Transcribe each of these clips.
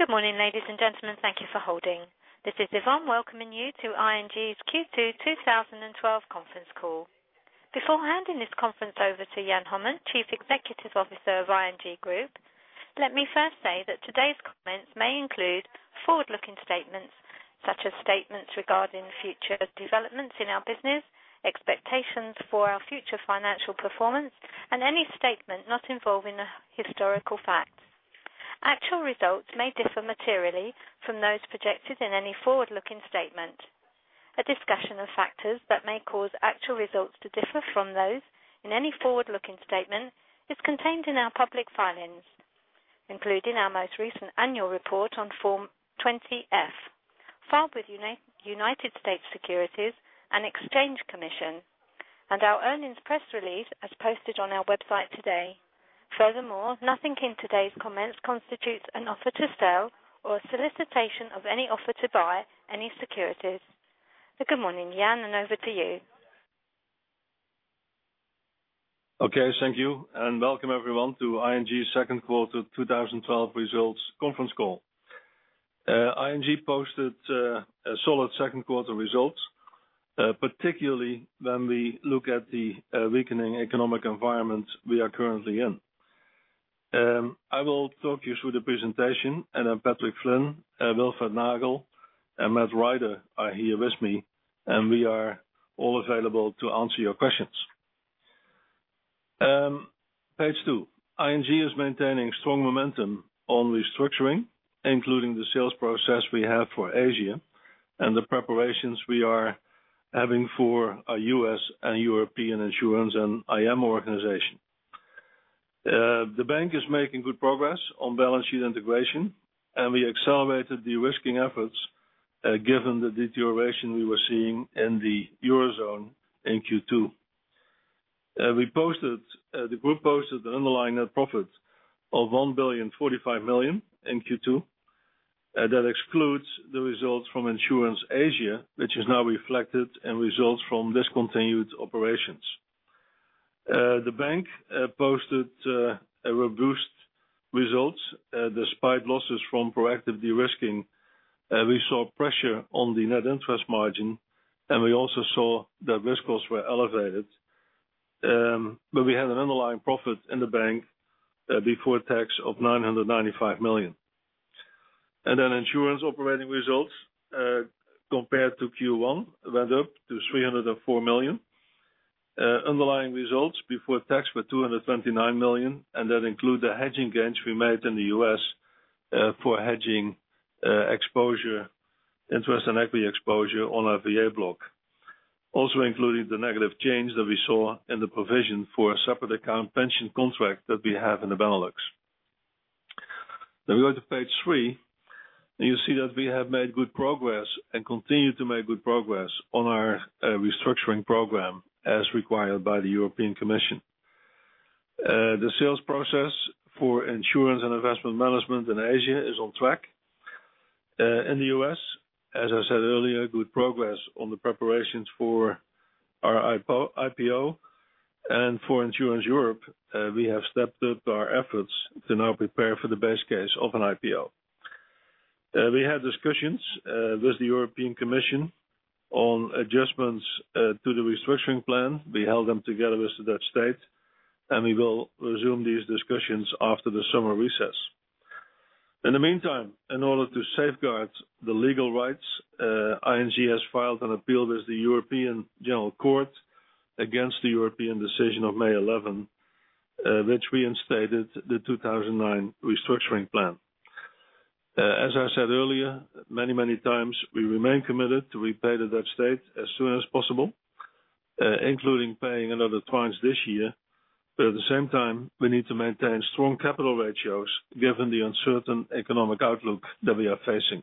Good morning, ladies and gentlemen. Thank you for holding. This is Yvonne welcoming you to ING's Q2 2012 conference call. Before handing this conference over to Jan Hommen, Chief Executive Officer of ING Groep, let me first say that today's comments may include forward-looking statements, such as statements regarding future developments in our business, expectations for our future financial performance, and any statement not involving a historical fact. Actual results may differ materially from those projected in any forward-looking statement. A discussion of factors that may cause actual results to differ from those in any forward-looking statement is contained in our public filings, including our most recent annual report on Form 20-F, filed with United States Securities and Exchange Commission, and our earnings press release as posted on our website today. Furthermore, nothing in today's comments constitutes an offer to sell or a solicitation of any offer to buy any securities. Good morning, Jan, and over to you. Thank you, and welcome everyone to ING's second quarter 2012 results conference call. ING posted solid second quarter results, particularly when we look at the weakening economic environment we are currently in. I will talk you through the presentation, and then Patrick Flynn, Wilfred Nagel, and Matt Rider are here with me, and we are all available to answer your questions. Page two. ING is maintaining strong momentum on restructuring, including the sales process we have for Insurance Asia and the preparations we are having for a U.S. and European insurance and IM organization. The bank is making good progress on balance sheet integration, and we accelerated de-risking efforts, given the deterioration we were seeing in the Eurozone in Q2. The group posted an underlying net profit of 1,045 million in Q2. That excludes the results from Insurance Asia, which is now reflected in results from discontinued operations. The bank posted robust results despite losses from proactive de-risking. We saw pressure on the net interest margin, and we also saw that risk costs were elevated. We had an underlying profit in the bank before tax of 995 million. Then insurance operating results compared to Q1 went up to 304 million. Underlying results before tax were 229 million, and that include the hedging gains we made in the U.S. for hedging interest and equity exposure on our VA block. Also including the negative change that we saw in the provision for a separate account pension contract that we have in the Benelux. We go to page three, and you see that we have made good progress and continue to make good progress on our restructuring program as required by the European Commission. The sales process for Insurance Asia and investment management in Asia is on track. In the U.S., I said earlier, good progress on the preparations for our IPO and for Insurance Europe, we have stepped up our efforts to now prepare for the best case of an IPO. We had discussions with the European Commission on adjustments to the restructuring plan. We held them together with the Dutch state, and we will resume these discussions after the summer recess. In the meantime, in order to safeguard the legal rights, ING has filed an appeal with the European General Court against the European decision of May 11, which reinstated the 2009 restructuring plan. I said earlier, many times, we remain committed to repay the Dutch state as soon as possible, including paying another tranche this year, but at the same time, we need to maintain strong capital ratios given the uncertain economic outlook that we are facing.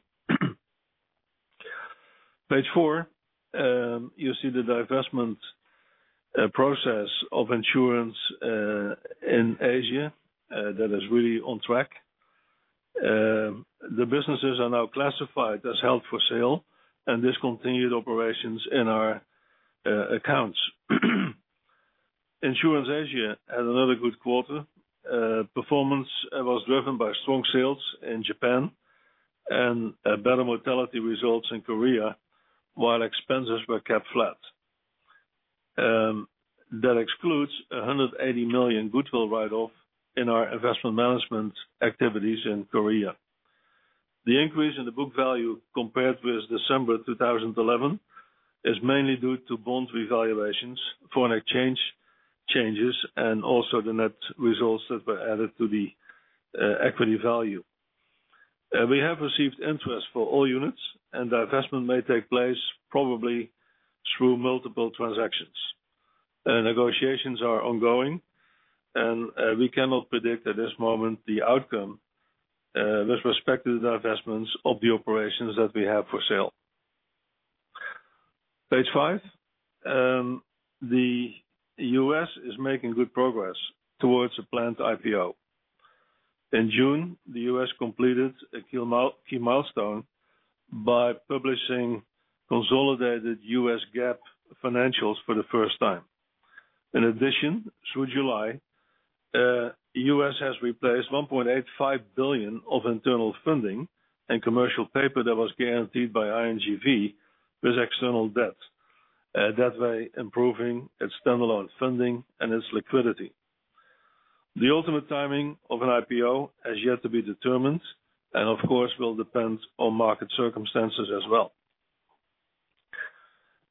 Page four, you see the divestment process of Insurance Asia that is really on track. The businesses are now classified as held for sale and discontinued operations in our accounts. Insurance Asia had another good quarter. Performance was driven by strong sales in Japan and better mortality results in Korea, while expenses were kept flat. That excludes 180 million goodwill write-off in our investment management activities in Korea. The increase in the book value compared with December 2011 is mainly due to bond revaluations, foreign exchange changes, and also the net results that were added to the equity value. We have received interest for all units, and the divestment may take place probably through multiple transactions. Negotiations are ongoing, and we cannot predict at this moment the outcome with respect to the divestments of the operations that we have for sale. Page five. The U.S. is making good progress towards a planned IPO. In June, the U.S. completed a key milestone by publishing consolidated U.S. GAAP financials for the first time. In addition, through July, the U.S. has replaced 1.85 billion of internal funding and commercial paper that was guaranteed by ING V with external debt, that way improving its standalone funding and its liquidity. The ultimate timing of an IPO has yet to be determined and of course will depend on market circumstances as well.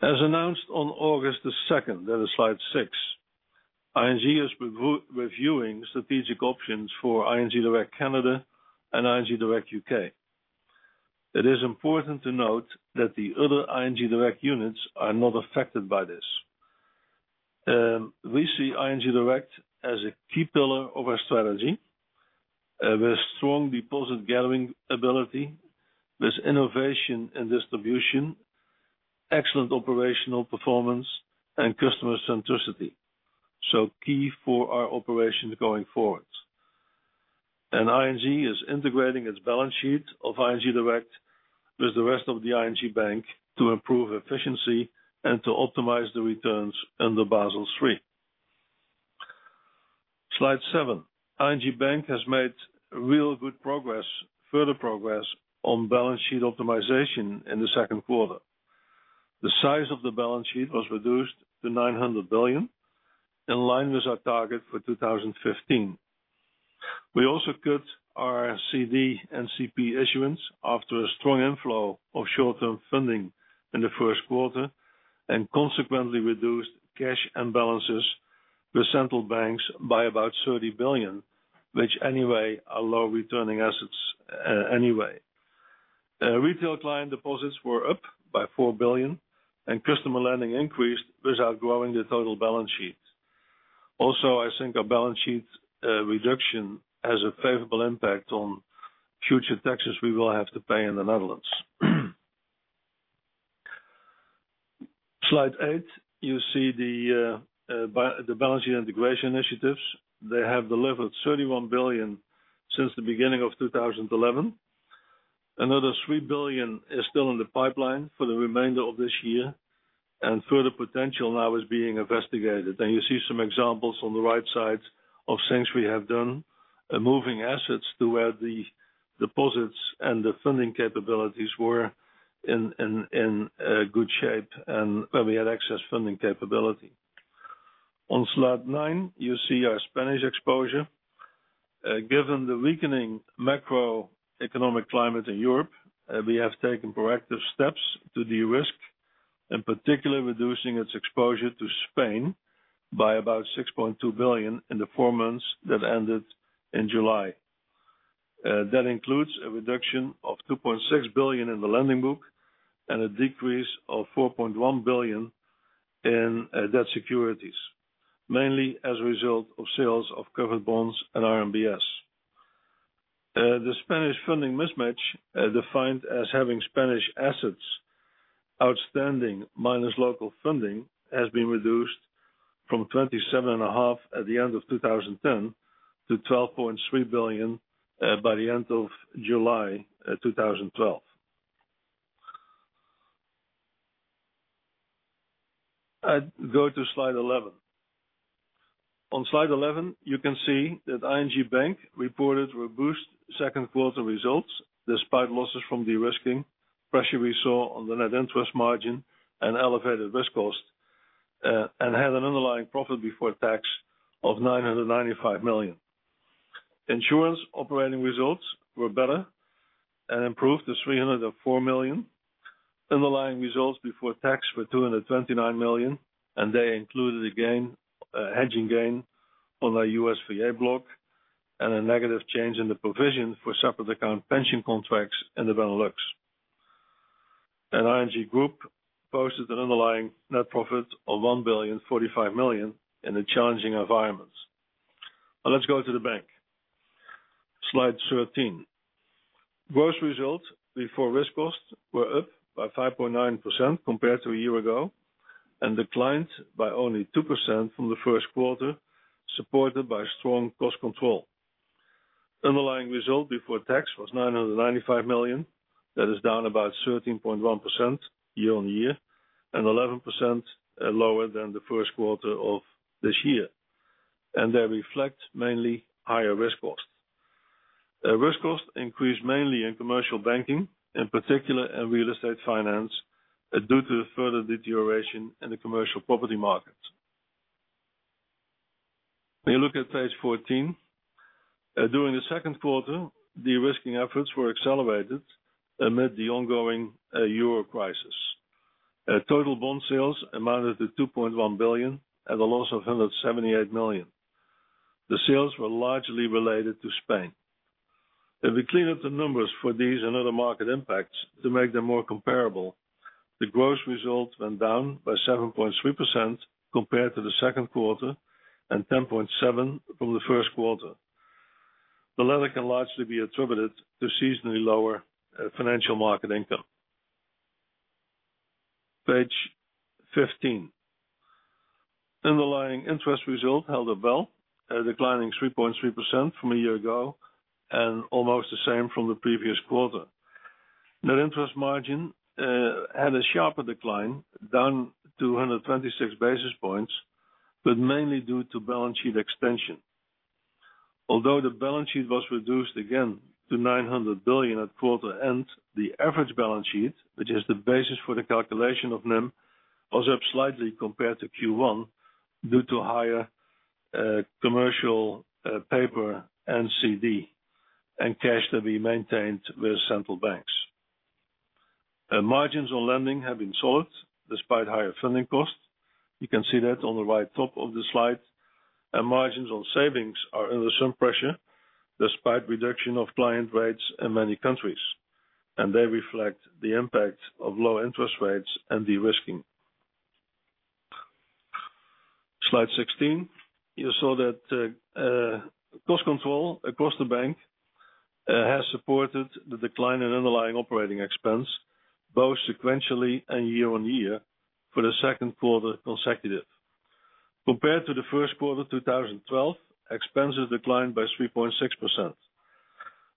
Announced on August 2nd, that is slide six, ING is reviewing strategic options for ING Direct Canada and ING Direct U.K. It is important to note that the other ING Direct units are not affected by this. We see ING Direct as a key pillar of our strategy, with strong deposit gathering ability, with innovation and distribution, excellent operational performance, and customer centricity. So key for our operations going forward. ING is integrating its balance sheet of ING Direct with the rest of the ING Bank to improve efficiency and to optimize the returns under Basel III. Slide seven. ING Bank has made real good progress, further progress, on balance sheet optimization in the second quarter. The size of the balance sheet was reduced to 900 billion, in line with our target for 2015. We also cut our CD and CP issuance after a strong inflow of short-term funding in the first quarter, and consequently reduced cash and balances with central banks by about 30 billion, which anyway are low returning assets anyway. Retail client deposits were up by 4 billion, and customer lending increased without growing the total balance sheet. I think our balance sheet reduction has a favorable impact on future taxes we will have to pay in the Netherlands. Slide eight, you see the balance sheet integration initiatives. They have delivered 31 billion since the beginning of 2011. Another 3 billion is still in the pipeline for the remainder of this year, and further potential now is being investigated. You see some examples on the right side of things we have done, moving assets to where the deposits and the funding capabilities were in good shape and where we had excess funding capability. On slide nine, you see our Spanish exposure. Given the weakening macroeconomic climate in Europe, we have taken proactive steps to de-risk, in particular, reducing its exposure to Spain by about 6.2 billion in the four months that ended in July. That includes a reduction of 2.6 billion in the lending book and a decrease of 4.1 billion in debt securities, mainly as a result of sales of covered bonds and RMBS. The Spanish funding mismatch, defined as having Spanish assets outstanding minus local funding, has been reduced from 27.5 billion at the end of 2010 to 12.3 billion by the end of July 2012. Go to slide 11. On slide 11, you can see that ING Bank reported robust second quarter results despite losses from de-risking, pressure we saw on the net interest margin and elevated risk cost, and had an underlying profit before tax of 995 million. Insurance operating results were better and improved to 304 million. Underlying results before tax were 229 million, and they included a gain, a hedging gain on our U.S. VA block and a negative change in the provision for separate account pension contracts in the Benelux. ING Group posted an underlying net profit of 1.045 billion in the challenging environments. Let's go to the bank. Slide 13. Gross results before risk costs were up by 5.9% compared to a year ago, and declined by only 2% from the first quarter, supported by strong cost control. Underlying result before tax was 995 million. That is down about 13.1% year-over-year and 11% lower than the first quarter of this year. They reflect mainly higher risk costs. Risk costs increased mainly in commercial banking, in particular in real estate finance, due to the further deterioration in the commercial property market. When you look at page 14, during the second quarter, de-risking efforts were accelerated amid the ongoing Euro crisis. Total bond sales amounted to 2.1 billion at a loss of 178 million. The sales were largely related to Spain. If we clean up the numbers for these and other market impacts to make them more comparable, the gross result went down by 7.3% compared to the second quarter and 10.7% from the first quarter. The latter can largely be attributed to seasonally lower financial market income. Page 15. Underlying interest result held up well, declining 3.3% from a year-over-year and almost the same from the previous quarter. Net interest margin had a sharper decline, down 226 basis points, but mainly due to balance sheet extension. Although the balance sheet was reduced again to 900 billion at quarter end, the average balance sheet, which is the basis for the calculation of NIM, was up slightly compared to Q1 due to higher commercial paper and CD and cash to be maintained with central banks. Margins on lending have been solid despite higher funding costs. You can see that on the right top of the slide. Margins on savings are under some pressure despite reduction of client rates in many countries, and they reflect the impact of low interest rates and de-risking. Slide 16. You saw that cost control across the bank has supported the decline in underlying operating expense, both sequentially and year-over-year, for the second quarter consecutive. Compared to the first quarter 2012, expenses declined by 3.6%.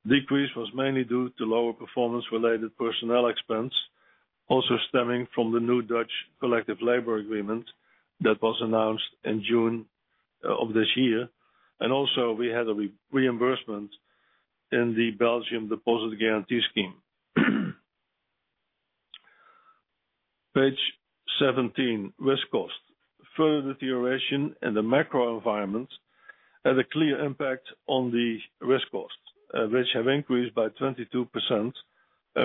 Decrease was mainly due to lower performance-related personnel expense, also stemming from the new Dutch collective labor agreement that was announced in June of this year. Also we had a reimbursement in the Belgian Deposit Guarantee Scheme. Page 17, risk cost. Further deterioration in the macro environment had a clear impact on the risk costs, which have increased by 22%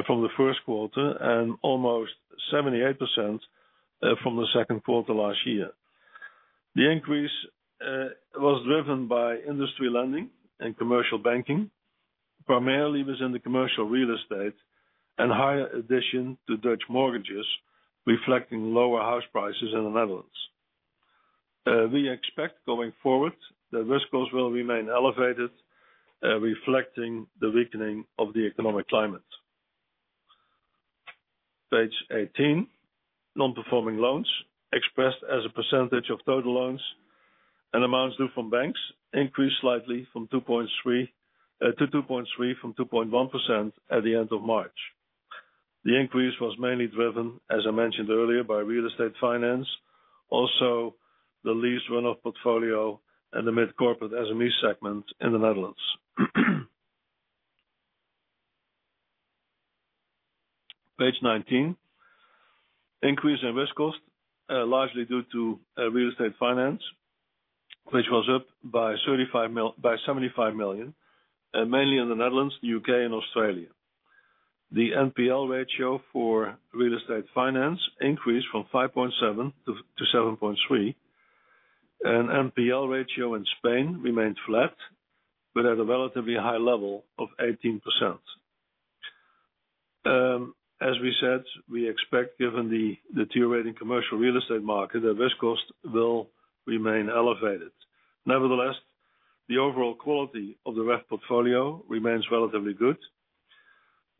from the first quarter and almost 78% from the second quarter last year. The increase was driven by industry lending and commercial banking, primarily within the commercial real estate and higher addition to Dutch mortgages, reflecting lower house prices in the Netherlands. We expect going forward that risk costs will remain elevated, reflecting the weakening of the economic climate. Page 18. Non-performing loans expressed as a percentage of total loans and amounts due from banks increased slightly to 2.3% from 2.1% at the end of March. The increase was mainly driven, as I mentioned earlier, by real estate finance, also the lease run-off portfolio and the mid corporate SME segment in the Netherlands. Page 19. Increase in risk cost, largely due to real estate finance, which was up by 75 million, mainly in the Netherlands, U.K. and Australia. The NPL ratio for real estate finance increased from 5.7% to 7.3%, and NPL ratio in Spain remained flat, but at a relatively high level of 18%. As we said, we expect, given the deteriorating commercial real estate market, that risk cost will remain elevated. Nevertheless, the overall quality of the ref portfolio remains relatively good.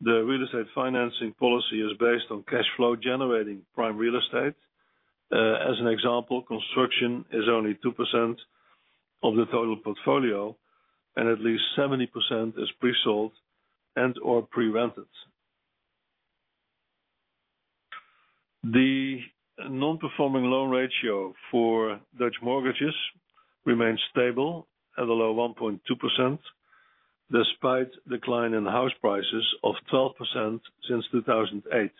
The real estate financing policy is based on cash flow generating prime real estate. As an example, construction is only 2% of the total portfolio, and at least 70% is pre-sold and/or pre-rented. The non-performing loan ratio for Dutch mortgages remains stable at a low 1.2%, despite decline in house prices of 12% since 2008.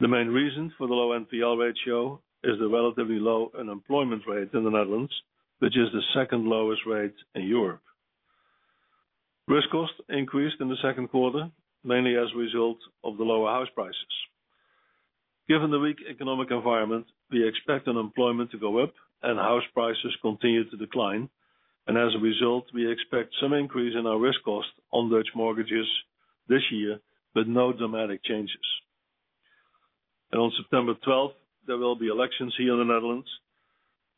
The main reason for the low NPL ratio is the relatively low unemployment rate in the Netherlands, which is the second lowest rate in Europe. Risk cost increased in the second quarter, mainly as a result of the lower house prices. As a result, we expect unemployment to go up and house prices continue to decline, and we expect some increase in our risk cost on Dutch mortgages this year, but no dramatic changes. On September 12, there will be elections here in the Netherlands.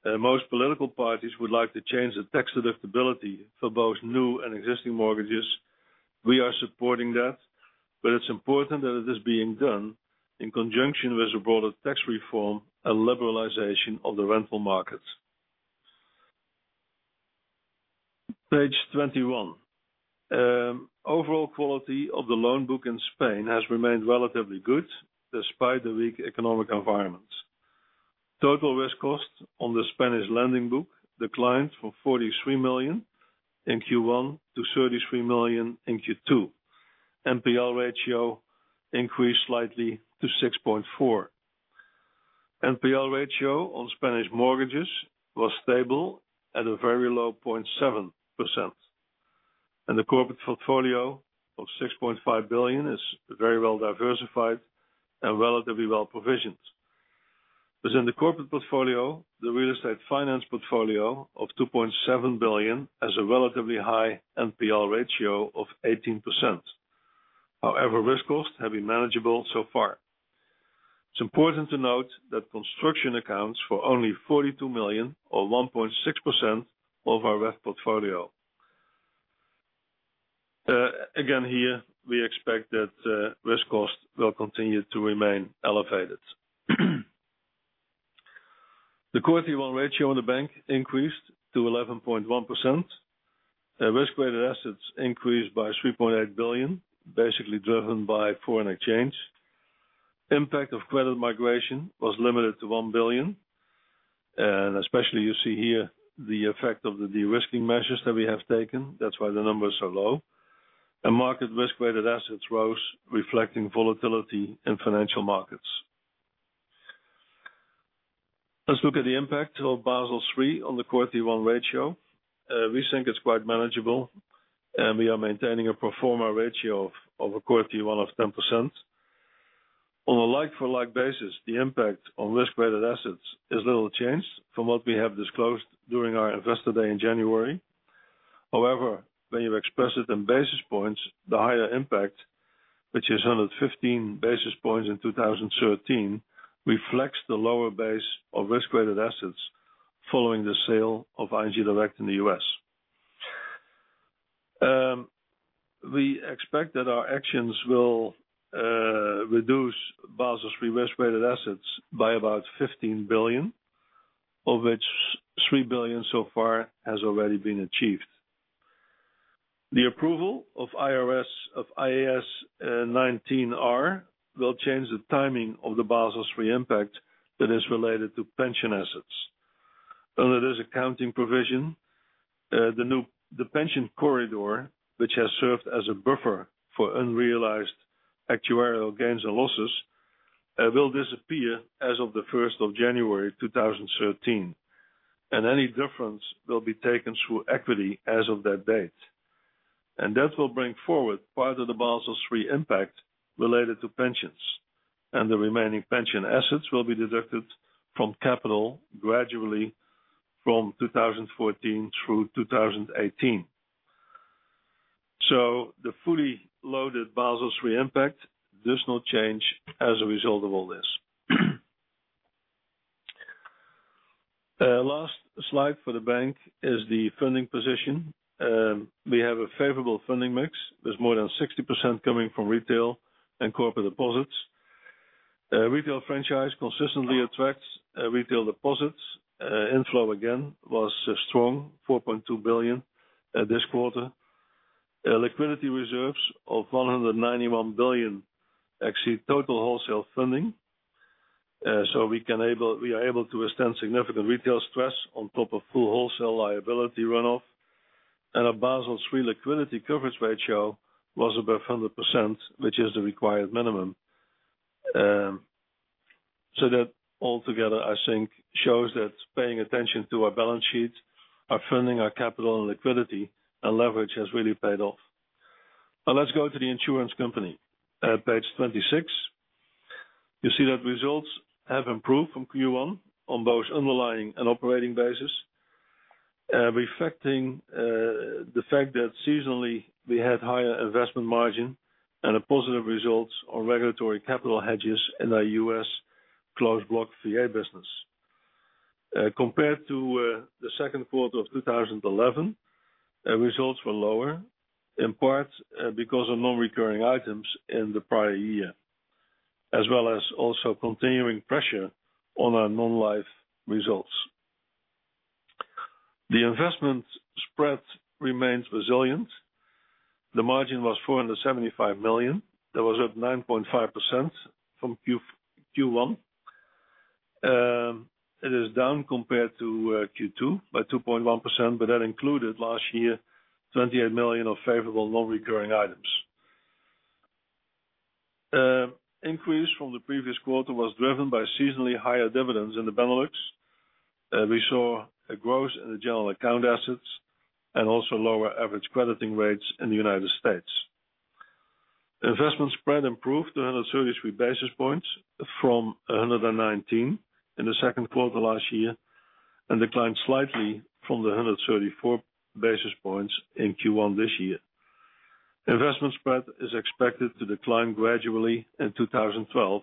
Most political parties would like to change the tax deductibility for both new and existing mortgages. We are supporting that, but it is important that it is being done in conjunction with a broader tax reform and liberalization of the rental markets. Page 21. Overall quality of the loan book in Spain has remained relatively good despite the weak economic environment. Total risk cost on the Spanish lending book declined from 33 million in Q1 to 33 million in Q2. NPL ratio increased slightly to 6.4%. NPL ratio on Spanish mortgages was stable at a very low 0.7%. The corporate portfolio of 6.5 billion is very well diversified and relatively well-provisioned. Within the corporate portfolio, the real estate finance portfolio of 2.7 billion has a relatively high NPL ratio of 18%. However, risk costs have been manageable so far. It is important to note that construction accounts for only 42 million or 1.6% of our ref portfolio. Again, here we expect that risk cost will continue to remain elevated. The Core Tier 1 ratio in the bank increased to 11.1%. Risk-weighted assets increased by 3.8 billion, basically driven by foreign exchange. Impact of credit migration was limited to 1 billion, and especially you see here the effect of the de-risking measures that we have taken. That is why the numbers are low. Market risk-weighted assets rose reflecting volatility in financial markets. Let us look at the impact of Basel III on the Core Tier 1 ratio. We think it is quite manageable, and we are maintaining a pro forma ratio of a Core Tier 1 of 10%. On a like-for-like basis, the impact on risk-weighted assets is little change from what we have disclosed during our Investor Day in January. However, when you express it in basis points, the higher impact, which is 115 basis points in 2013, reflects the lower base of risk-weighted assets following the sale of ING Direct in the U.S. We expect that our actions will reduce Basel III risk-weighted assets by about 15 billion, of which 3 billion so far has already been achieved. The approval of IAS 19R will change the timing of the Basel III impact that is related to pension assets. Under this accounting provision, the pension corridor, which has served as a buffer for unrealized actuarial gains and losses, will disappear as of the 1st of January 2013. Any difference will be taken through equity as of that date. That will bring forward part of the Basel III impact related to pensions, and the remaining pension assets will be deducted from capital gradually from 2014 through 2018. So the fully loaded Basel III impact, there is no change as a result of all this. Last slide for the bank is the funding position. We have a favorable funding mix, with more than 60% coming from retail and corporate deposits. Retail franchise consistently attracts retail deposits. Inflow again was strong, 4.2 billion this quarter. Liquidity reserves of 191 billion, actually total wholesale funding. So we are able to withstand significant retail stress on top of full wholesale liability run-off. Our Basel III Liquidity Coverage Ratio was above 100%, which is the required minimum. That altogether, I think, shows that paying attention to our balance sheet, our funding, our capital, and liquidity and leverage has really paid off. Now let's go to the insurance company at page 26. You see that results have improved from Q1 on both underlying and operating basis, reflecting the fact that seasonally we had higher investment margin and a positive result on regulatory capital hedges in our U.S. Closed Block VA business. Compared to the second quarter of 2011, results were lower, in part because of non-recurring items in the prior year, as well as also continuing pressure on our non-life results. The investment spread remains resilient. The margin was 475 million. That was up 9.5% from Q1. It is down compared to Q2 by 2.1%, but that included last year, 28 million of favorable non-recurring items. Increase from the previous quarter was driven by seasonally higher dividends in the Benelux. We saw a growth in the general account assets and also lower average crediting rates in the United States. Investment spread improved to 133 basis points from 119 in the second quarter last year, and declined slightly from the 134 basis points in Q1 this year. Investment spread is expected to decline gradually in 2012,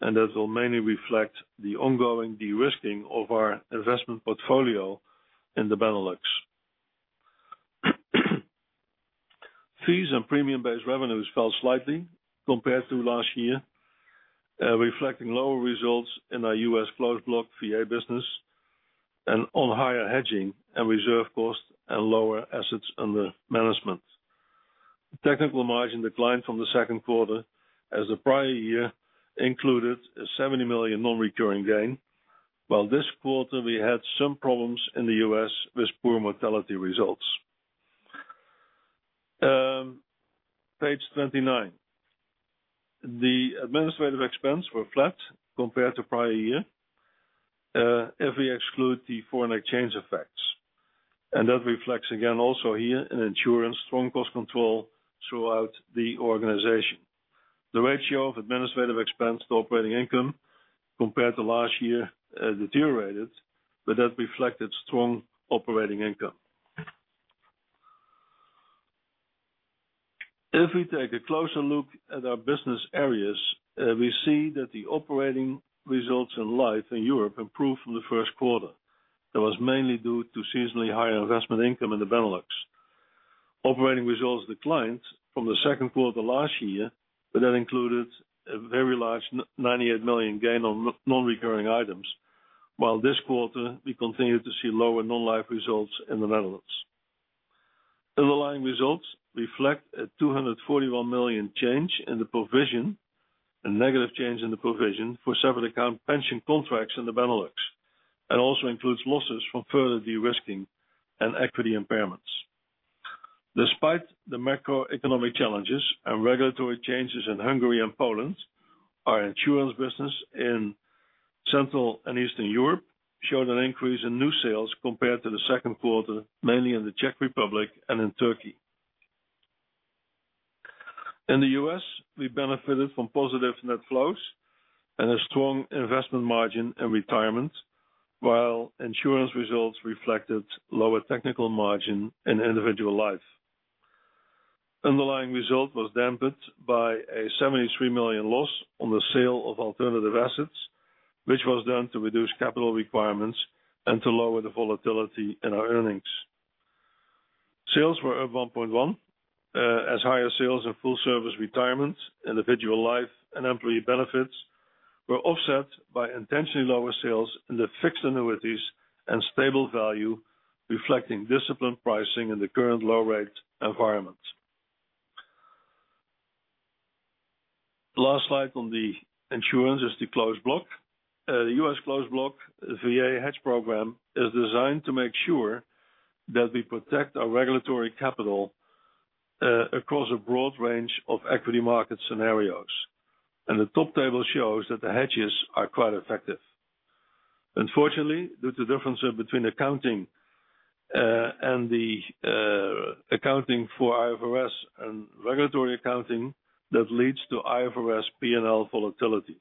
and that will mainly reflect the ongoing de-risking of our investment portfolio in the Benelux. Fees and premium-based revenues fell slightly compared to last year, reflecting lower results in our U.S. Closed Block VA business and on higher hedging and reserve costs and lower assets under management. Technical margin declined from the second quarter as the prior year included a 70 million non-recurring gain, while this quarter we had some problems in the U.S. with poor mortality results. Page 29. The administrative expense were flat compared to prior year if we exclude the foreign exchange effects. That reflects, again, also here in insurance, strong cost control throughout the organization. The ratio of administrative expense to operating income compared to last year has deteriorated, That reflected strong operating income. If we take a closer look at our business areas, we see that the operating results in life in Europe improved from the first quarter. That was mainly due to seasonally higher investment income in the Benelux. Operating results declined from the second quarter last year, That included a very large 98 million gain on non-recurring items. While this quarter, we continued to see lower non-life results in the Netherlands. Underlying results reflect a 241 million change in the provision, a negative change in the provision for separate account pension contracts in the Benelux, and also includes losses from further de-risking and equity impairments. Despite the macroeconomic challenges and regulatory changes in Hungary and Poland, our insurance business in Central and Eastern Europe showed an increase in new sales compared to the second quarter, mainly in the Czech Republic and in Turkey. In the U.S., we benefited from positive net flows and a strong investment margin in retirement, while insurance results reflected lower technical margin in individual life. Underlying result was dampened by a 73 million loss on the sale of alternative assets, which was done to reduce capital requirements and to lower the volatility in our earnings. Sales were up 1.1 as higher sales in full-service retirement, individual life, and employee benefits were offset by intentionally lower sales in the fixed annuities and stable value reflecting disciplined pricing in the current low rate environment. Last slide on the insurance is the closed block. The U.S. Closed Block VA hedge program is designed to make sure that we protect our regulatory capital across a broad range of equity market scenarios, the top table shows that the hedges are quite effective. Unfortunately, there is a difference between accounting and the accounting for IFRS and regulatory accounting that leads to IFRS P&L volatility.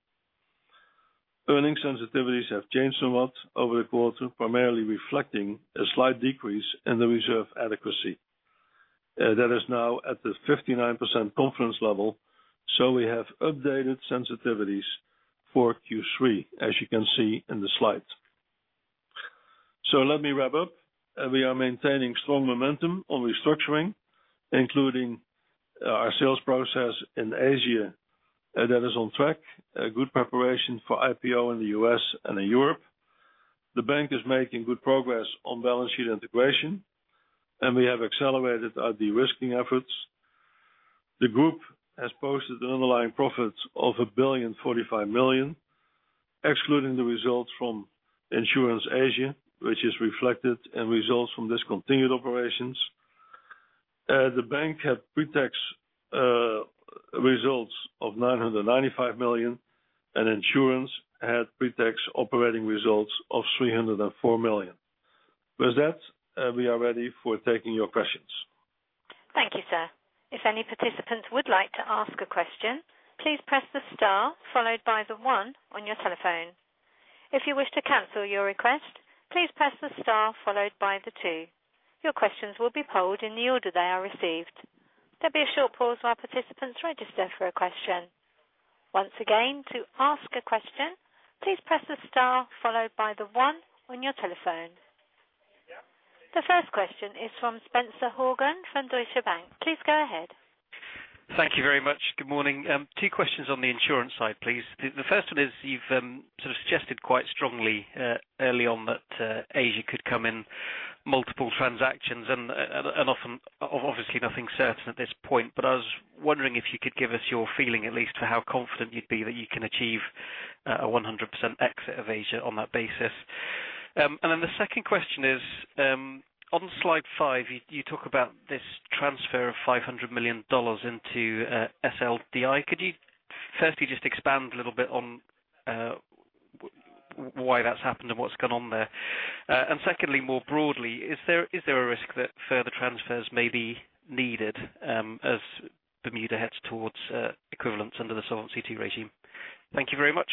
Earning sensitivities have changed somewhat over the quarter, primarily reflecting a slight decrease in the reserve adequacy. That is now at the 59% confidence level, we have updated sensitivities for Q3, as you can see in the slides. Let me wrap up. We are maintaining strong momentum on restructuring, including our sales process in Asia that is on track, good preparation for IPO in the U.S. and in Europe. The bank is making good progress on balance sheet integration, we have accelerated our de-risking efforts. The group has posted underlying profits of 1.045 billion, excluding the results from Insurance Asia, which is reflected in results from discontinued operations. The bank had pre-tax results of 995 million and Insurance had pre-tax operating results of 304 million. With that, we are ready for taking your questions. Thank you, sir. If any participant would like to ask a question, please press the star followed by the 1 on your telephone. If you wish to cancel your request, please press the star followed by the 2. Your questions will be polled in the order they are received. There will be a short pause while participants register for a question. Once again, to ask a question, please press the star followed by the 1 on your telephone. The first question is from Spencer Horgan from Deutsche Bank. Please go ahead. Thank you very much. Good morning. Two questions on the insurance side, please. The first one is, you have sort of suggested quite strongly early on that Asia could come in multiple transactions and often, obviously nothing certain at this point, but I was wondering if you could give us your feeling at least for how confident you would be that you can achieve 100% exit of Asia on that basis. Then the second question is, on slide five, you talk about this transfer of $500 million into SLDI. Could you firstly just expand a little bit on why that has happened and what has gone on there? Secondly, more broadly, is there a risk that further transfers may be needed as Bermuda heads towards equivalence under the Solvency II regime? Thank you very much.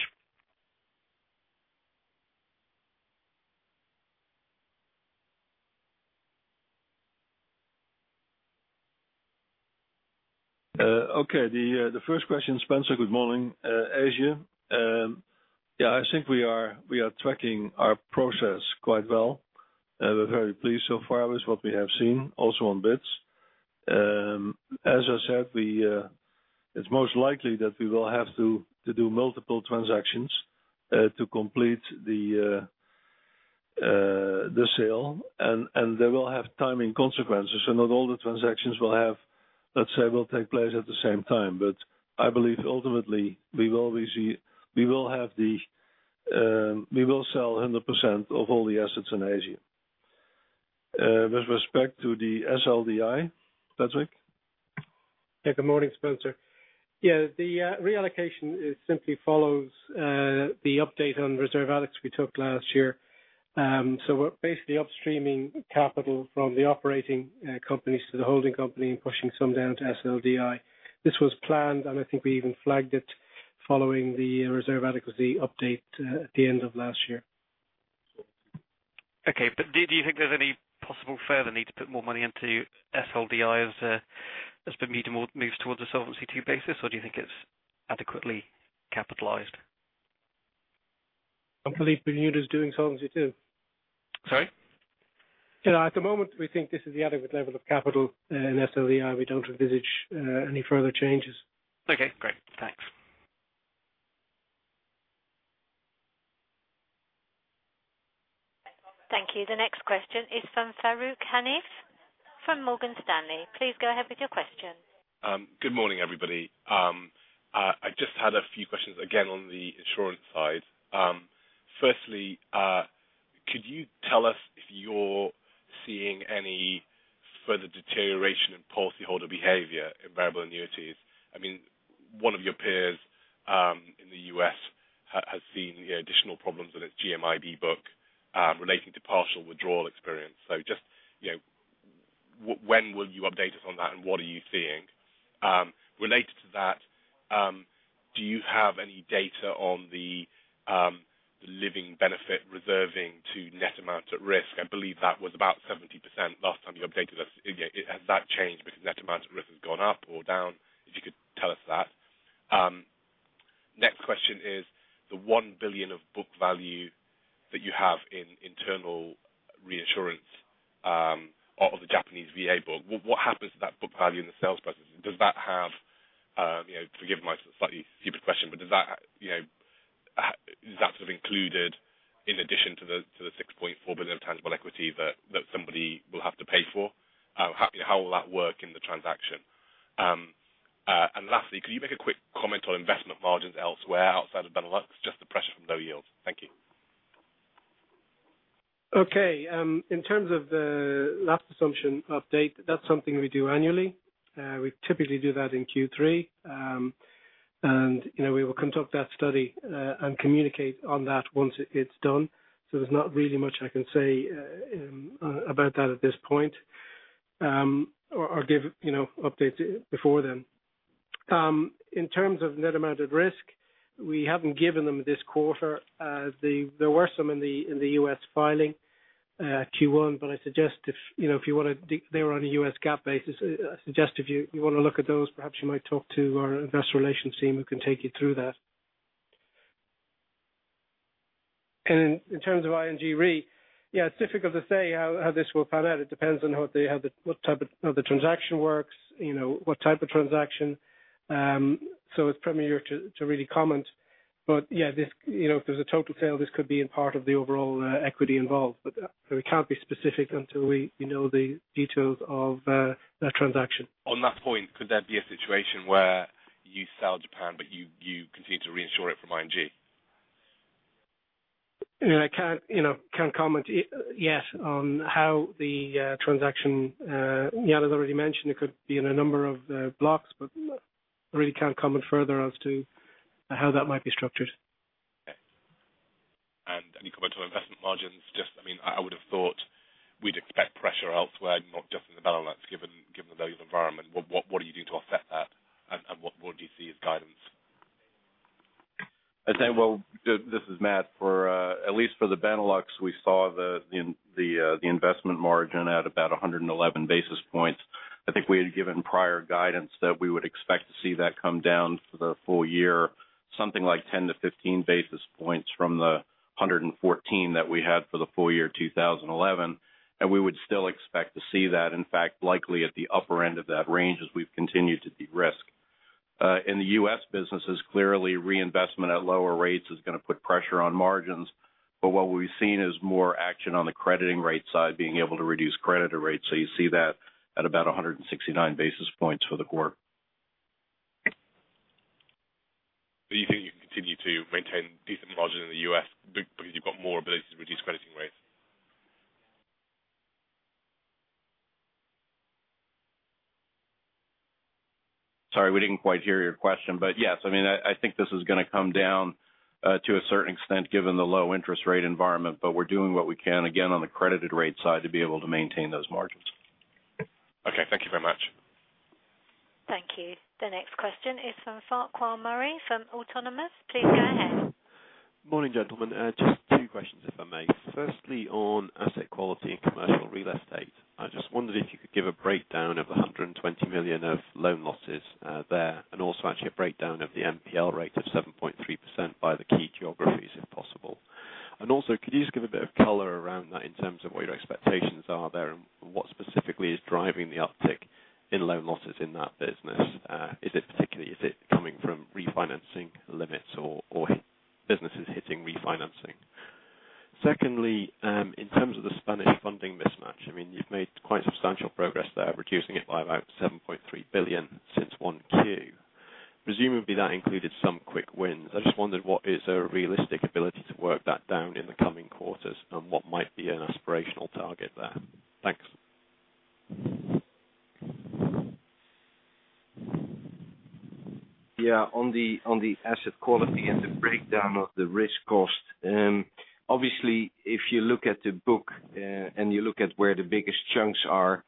Okay. The first question, Spencer, good morning. Asia. Yeah, I think we are tracking our process quite well. We're very pleased so far with what we have seen, also on bids. As I said, it's most likely that we will have to do multiple transactions to complete the sale, and they will have timing consequences, so not all the transactions will, let's say, take place at the same time. I believe ultimately we will sell 100% of all the assets in Asia. With respect to the SLDI, Patrick? Yeah. Good morning, Spencer. Yeah, the reallocation simply follows the update on reserve adequacy we took last year. We're basically upstreaming capital from the operating companies to the holding company and pushing some down to SLDI. This was planned, and I think we even flagged it following the reserve adequacy update at the end of last year. Okay. Do you think there's any possible further need to put more money into SLDI as Bermuda moves towards a Solvency II basis, or do you think it's adequately capitalized? I believe Bermuda is doing Solvency II. Sorry? At the moment, we think this is the adequate level of capital in SOVI. We don't envisage any further changes. Okay, great. Thanks. Thank you. The next question is from Farooq Hanif from Morgan Stanley. Please go ahead with your question. Good morning, everybody. I just had a few questions, again, on the insurance side. Firstly, could you tell us if you're seeing any further deterioration in policyholder behavior in variable annuities? One of your peers in the U.S. has seen additional problems with its GMIB book relating to partial withdrawal experience. Just, when will you update us on that, and what are you seeing? Related to that, do you have any data on the living benefit reserving to net amount at risk? I believe that was about 70% last time you updated us. Has that changed? Has net amount at risk gone up or down? If you could tell us that. Next question is the 1 billion of book value that you have in internal reinsurance out of the Japanese VA book. What happens to that book value in the sales process? Is that sort of included in addition to the 6.4 billion of tangible equity that somebody will have to pay for? How will that work in the transaction? Lastly, could you make a quick comment on investment margins elsewhere outside of Benelux, just the pressure from low yields? Thank you. Okay. In terms of the last assumption update, that's something we do annually. We typically do that in Q3. We will conduct that study and communicate on that once it's done. There's not really much I can say about that at this point, or give updates before then. In terms of net amount at risk, we haven't given them this quarter. There were some in the U.S. filing Q1. They were on a U.S. GAAP basis. I suggest if you want to look at those, perhaps you might talk to our investor relations team who can take you through that. In terms of ING Re, yeah, it's difficult to say how this will pan out. It depends on how the transaction works, what type of transaction. It's premature to really comment. Yeah, if there's a total sale, this could be in part of the overall equity involved. We can't be specific until we know the details of that transaction. On that point, could there be a situation where you sell Japan, but you continue to reinsure it from ING? I can't comment yet on how the transaction Jan has already mentioned it could be in a number of blocks, but I really can't comment further as to how that might be structured. Okay. Any comment on investment margins? Just, I would have thought we'd expect pressure elsewhere, not just in the Benelux, given the value of the environment. What are you doing to offset that, and what do you see as guidance? I'd say, well, this is Matt. At least for the Benelux, we saw the investment margin at about 111 basis points. I think we had given prior guidance that we would expect to see that come down for the full year, something like 10-15 basis points from the 114 that we had for the full year 2011. We would still expect to see that, in fact, likely at the upper end of that range as we've continued to de-risk. In the U.S. businesses, clearly, reinvestment at lower rates is going to put pressure on margins. What we've seen is more action on the crediting rate side, being able to reduce crediting rates. You see that at about 169 basis points for the quarter. You think you can continue to maintain decent margins in the U.S. because you've got more ability to reduce crediting rates? Sorry, we didn't quite hear your question. Yes, I think this is going to come down to a certain extent given the low interest rate environment. We're doing what we can, again, on the credited rate side to be able to maintain those margins. Okay. Thank you very much. Thank you. The next question is from Farquhar Murray from Autonomous. Please go ahead. Morning, gentlemen. Just two questions, if I may. Firstly, on asset quality and commercial real estate, I just wondered if you could give a breakdown of the 120 million of loan losses there, and also actually a breakdown of the NPL rate of 7.3% by the key geographies, if possible. Also, could you just give a bit of color around that in terms of what your expectations are there and what specifically is driving the uptick in loan losses in that business? Is it coming from refinancing limits or businesses hitting refinancing? Secondly, in terms of the Spanish funding mismatch, you've made quite substantial progress there, reducing it by about 7.3 billion since 1Q. Presumably, that included some quick wins. I just wondered what is a realistic ability to work that down in the coming quarters, and what might be an aspirational target there. Thanks. Yeah. On the asset quality and the breakdown of the risk cost, obviously, if you look at the book and you look at where the biggest chunks are,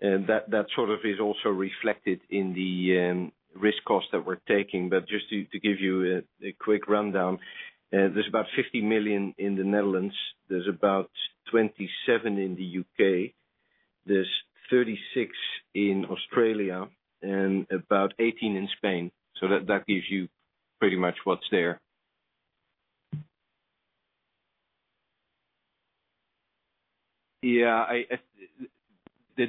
that sort of is also reflected in the risk cost that we're taking. Just to give you a quick rundown, there's about 50 million in the Netherlands, there's about 27 million in the U.K. There's 36 million in Australia and about 18 million in Spain. That gives you pretty much what's there. The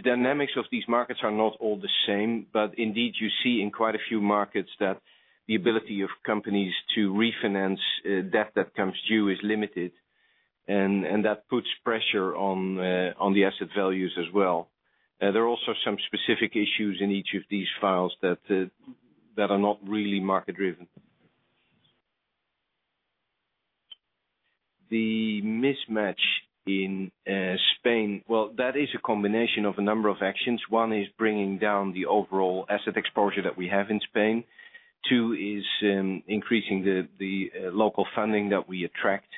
dynamics of these markets are not all the same, but indeed, you see in quite a few markets that the ability of companies to refinance debt that comes due is limited, and that puts pressure on the asset values as well. There are also some specific issues in each of these files that are not really market-driven. The mismatch in Spain, well, that is a combination of a number of actions. One is bringing down the overall asset exposure that we have in Spain. Two is increasing the local funding that we attract.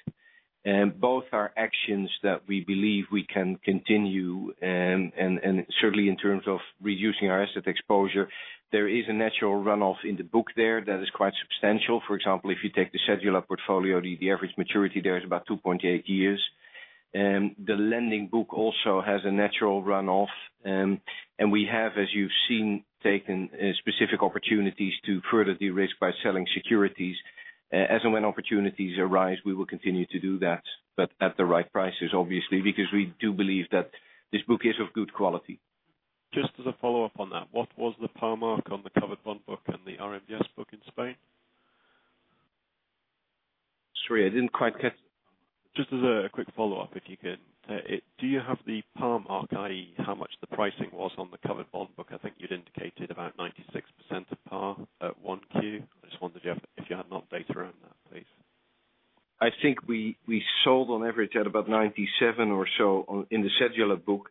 Both are actions that we believe we can continue, and certainly in terms of reducing our asset exposure, there is a natural runoff in the book there that is quite substantial. For example, if you take the securities portfolio, the average maturity there is about 2.8 years. The lending book also has a natural runoff. We have, as you've seen, taken specific opportunities to further the risk by selling securities. As and when opportunities arise, we will continue to do that, but at the right prices, obviously, because we do believe that this book is of good quality. Just as a follow-up on that, what was the par mark on the covered bond book and the RMBS book in Spain? Sorry, I didn't quite get. Just as a quick follow-up, if you could. Do you have the par mark, i.e., how much the pricing was on the covered bond book? I think you'd indicated about 96% of par at 1Q. I just wondered if you have more data around that, please. I think we sold on average at about 97% or so in the securities book.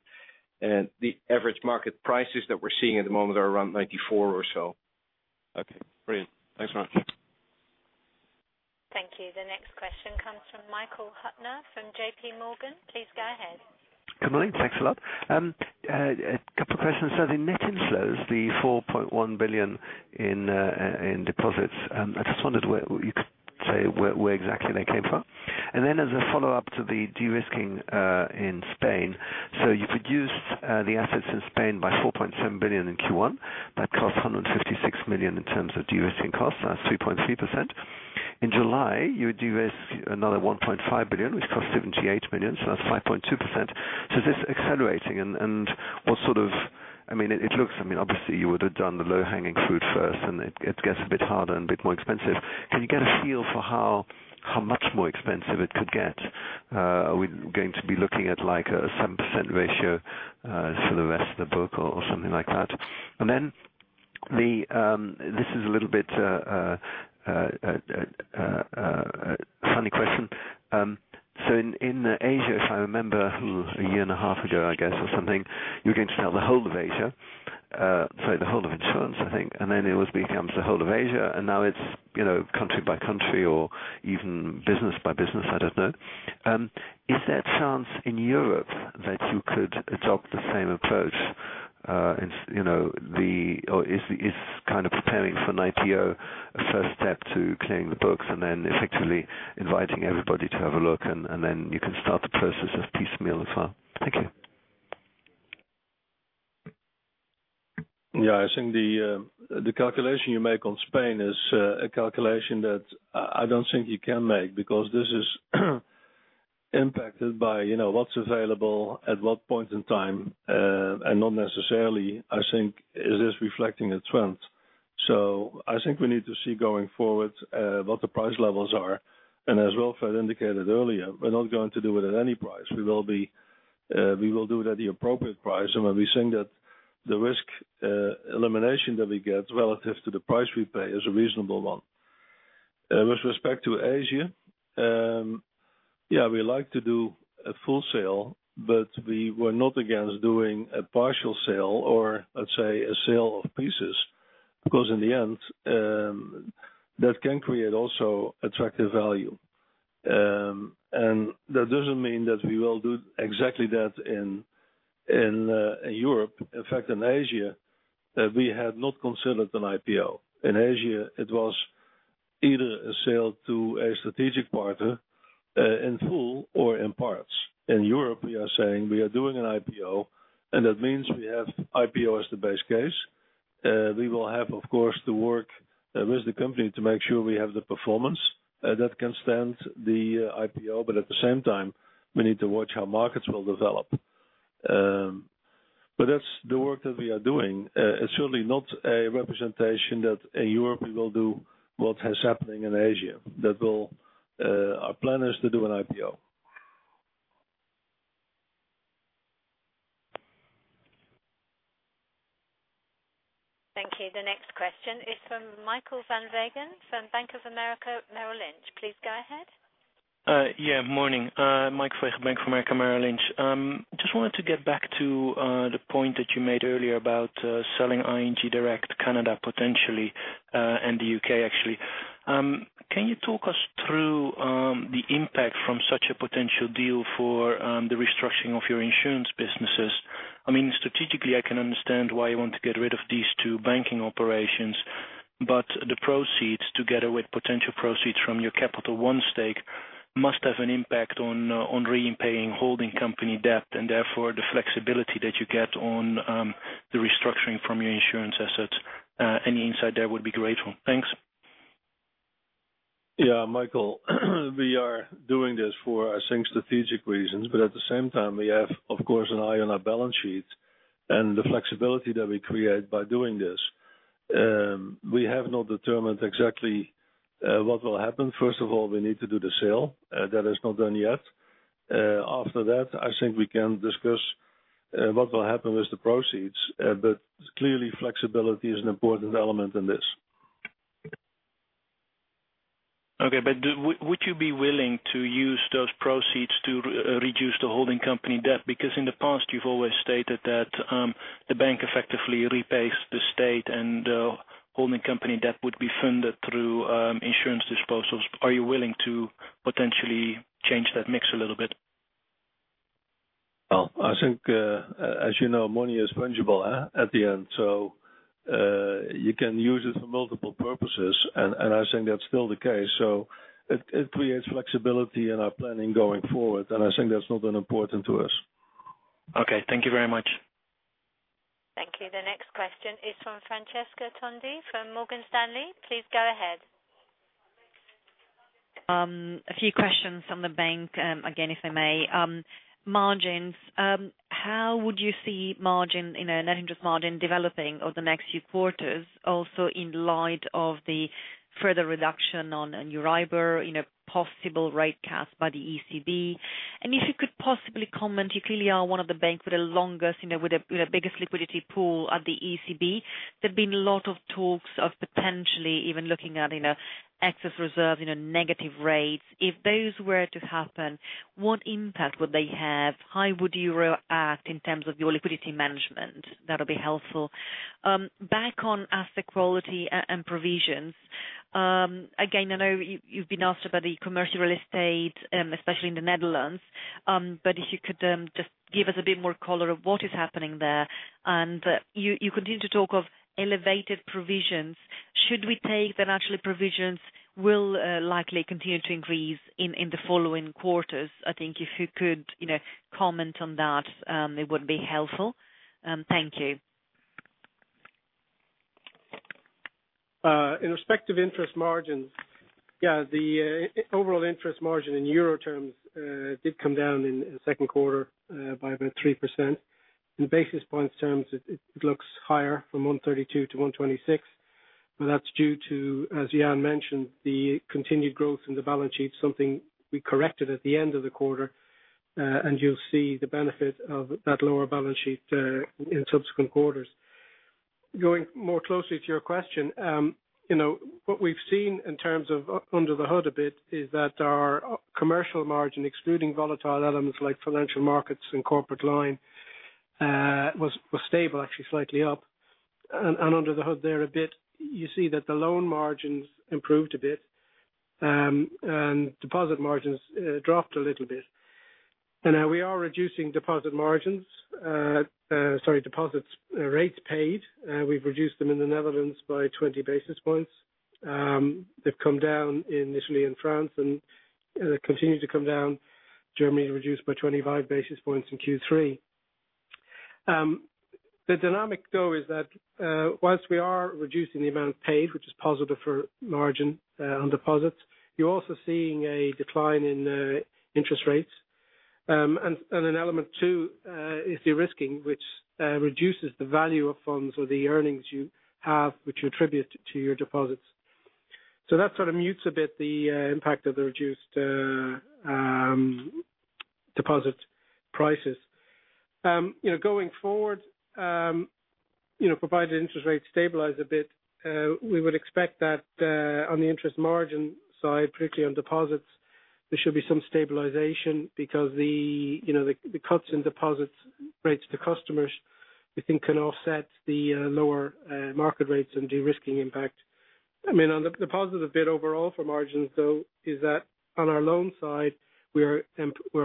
The average market prices that we're seeing at the moment are around 94% or so. Okay, brilliant. Thanks, Matt. Thank you. The next question comes from Michael Huebner from J.P. Morgan. Please go ahead. Good morning. Thanks a lot. A couple of questions. The net inflows, the 4.1 billion in deposits, I just wondered where you could say where exactly they came from. As a follow-up to the de-risking in Spain. You've reduced the assets in Spain by 4.7 billion in Q1. That cost 156 million in terms of de-risking costs, that's 3.3%. In July, you de-risked another 1.5 billion, which cost 78 million, that's 5.2%. Is this accelerating? Obviously you would have done the low-hanging fruit first, and it gets a bit harder and a bit more expensive. Can you get a feel for how much more expensive it could get? Are we going to be looking at a 7% ratio for the rest of the book or something like that? This is a little bit of a funny question. In Asia, if I remember, a year and a half ago, I guess, or something, you were going to sell the whole of Asia, sorry, the whole of Insurance, I think, it becomes the whole of Asia, now it's country by country or even business by business, I don't know. Is there a chance in Europe that you could adopt the same approach? Is preparing for an IPO a first step to clearing the books effectively inviting everybody to have a look, and then you can start the process of piecemeal as well. Thank you. I think the calculation you make on Spain is a calculation that I don't think you can make because this is impacted by what's available at what point in time, not necessarily, I think, is this reflecting a trend. I think we need to see going forward, what the price levels are. As Rolf had indicated earlier, we're not going to do it at any price. We will do it at the appropriate price, when we think that the risk elimination that we get relative to the price we pay is a reasonable one. With respect to Asia, yeah, we like to do a full sale, we were not against doing a partial sale or let's say a sale of pieces, in the end, that can create also attractive value. That doesn't mean that we will do exactly that in Europe. In fact, in Asia, we had not considered an IPO. In Asia, it was either a sale to a strategic partner in full or in parts. In Europe, we are saying we are doing an IPO, that means we have IPO as the base case. We will have, of course, to work with the company to make sure we have the performance that can stand the IPO, but at the same time, we need to watch how markets will develop. That's the work that we are doing. It is certainly not a representation that in Europe we will do what is happening in Asia. Our plan is to do an IPO. Thank you. The next question is from Michael van Wegen from Bank of America Merrill Lynch. Please go ahead. Yeah, morning. Mike van Wegen, Bank of America Merrill Lynch. Just wanted to get back to the point that you made earlier about selling ING Direct Canada, potentially, and the U.K., actually. Can you talk us through the impact from such a potential deal for the restructuring of your insurance businesses? Strategically, I can understand why you want to get rid of these two banking operations, but the proceeds, together with potential proceeds from your Capital One stake must have an impact on repaying holding company debt and therefore the flexibility that you get on the restructuring from your insurance assets. Any insight there would be grateful. Thanks. Yeah, Michael, we are doing this for, I think, strategic reasons. At the same time, we have, of course, an eye on our balance sheets and the flexibility that we create by doing this. We have not determined exactly what will happen. First of all, we need to do the sale. That is not done yet. After that, I think we can discuss what will happen with the proceeds. Clearly flexibility is an important element in this. Okay. Would you be willing to use those proceeds to reduce the holding company debt? In the past you've always stated that the bank effectively repays the State and holding company debt would be funded through insurance disposals. Are you willing to potentially change that mix a little bit? Well, I think as you know, money is fungible at the end, so you can use it for multiple purposes, and I think that's still the case. It creates flexibility in our planning going forward, and I think that's not unimportant to us. Okay. Thank you very much. Thank you. The next question is from Francesca Tondi from Morgan Stanley. Please go ahead. A few questions from the bank, again, if I may. Margins. How would you see net interest margin developing over the next few quarters, also in light of the further reduction on EURIBOR, possible rate cut by the ECB? If you could possibly comment, you clearly are one of the banks with the biggest liquidity pool at the ECB. There've been a lot of talks of potentially even looking at excess reserve, negative rates. If those were to happen, what impact would they have? How would you react in terms of your liquidity management? That'll be helpful. Back on asset quality and provisions. Again, I know you've been asked about the commercial real estate, especially in the Netherlands. If you could just give us a bit more color of what is happening there. You continue to talk of elevated provisions. Should we take that actually provisions will likely continue to increase in the following quarters? I think if you could comment on that it would be helpful. Thank you. In respect of interest margins, the overall interest margin in EUR terms did come down in Q2 by about 3%. In basis points terms it looks higher from 132 to 126. That's due to, as Jan mentioned, the continued growth in the balance sheet, something we corrected at the end of the quarter. You'll see the benefit of that lower balance sheet in subsequent quarters. Going more closely to your question, what we've seen in terms of under the hood a bit is that our commercial margin, excluding volatile elements like financial markets and corporate line, was stable, actually slightly up. Under the hood there a bit, you see that the loan margins improved a bit, and deposit margins dropped a little bit. We are reducing deposit margins. Sorry, deposits rates paid. We've reduced them in the Netherlands by 20 basis points. They've come down in Italy and France, they continue to come down. Germany reduced by 25 basis points in Q3. The dynamic though is that, whilst we are reducing the amount paid, which is positive for margin on deposits, you're also seeing a decline in interest rates. An element too, is de-risking, which reduces the value of funds or the earnings you have, which you attribute to your deposits. That sort of mutes a bit the impact of the reduced deposit prices. Going forward, provided interest rates stabilize a bit, we would expect that on the interest margin side, particularly on deposits, there should be some stabilization because the cuts in deposits rates to customers, we think can offset the lower market rates and de-risking impact. The positive bit overall for margins though is that on our loan side, we're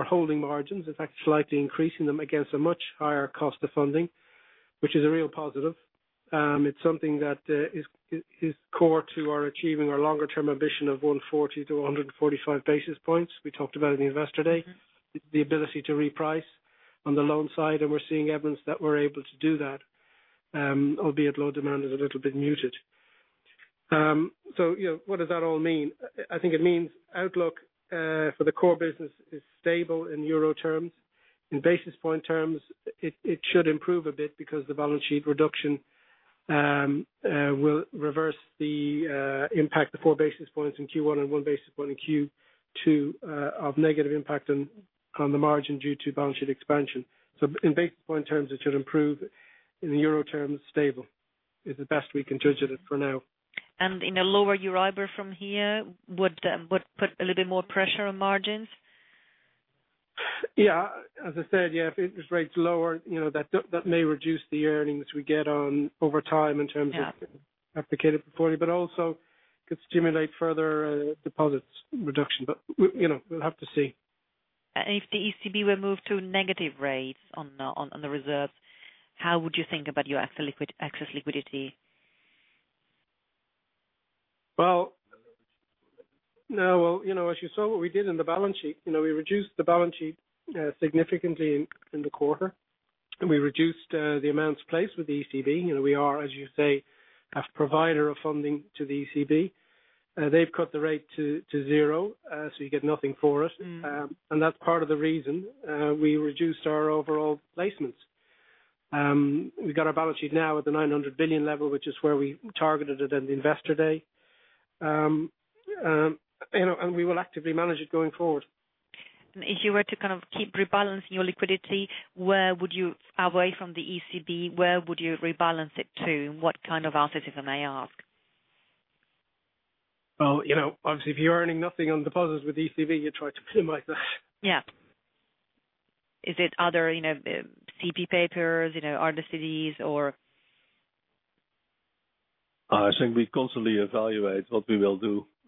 holding margins. In fact, slightly increasing them against a much higher cost of funding, which is a real positive. It's something that is core to our achieving our longer term ambition of 140 to 145 basis points we talked about in the investor day. The ability to reprice on the loan side, and we're seeing evidence that we're able to do that, albeit low demand is a little bit muted. What does that all mean? I think it means outlook for the core business is stable in EUR terms. In basis point terms, it should improve a bit because the balance sheet reduction will reverse the impact, the four basis points in Q1 and one basis point in Q2 of negative impact on the margin due to balance sheet expansion. In basis point terms, it should improve. In the EUR terms, stable is the best we can judge it at for now. In a lower EURIBOR from here would put a little bit more pressure on margins? Yeah. As I said, if interest rates lower, that may reduce the earnings we get on over time in terms of- Yeah applicable reporting, but also could stimulate further deposits reduction. We'll have to see. If the ECB were moved to negative rates on the reserves, how would you think about your excess liquidity? Well, as you saw what we did in the balance sheet, we reduced the balance sheet significantly in the quarter, and we reduced the amounts placed with the ECB. We are, as you say, a provider of funding to the ECB. They've cut the rate to 0, you get nothing for it. That's part of the reason we reduced our overall placements. We've got our balance sheet now at the 900 billion level, which is where we targeted it at the investor day. We will actively manage it going forward. If you were to keep rebalancing your liquidity away from the ECB, where would you rebalance it to, and what kind of assets, if I may ask? Well, obviously, if you're earning nothing on deposits with ECB, you try to minimize that. Yeah. Is it other CP papers, other securities, or? I think we constantly evaluate.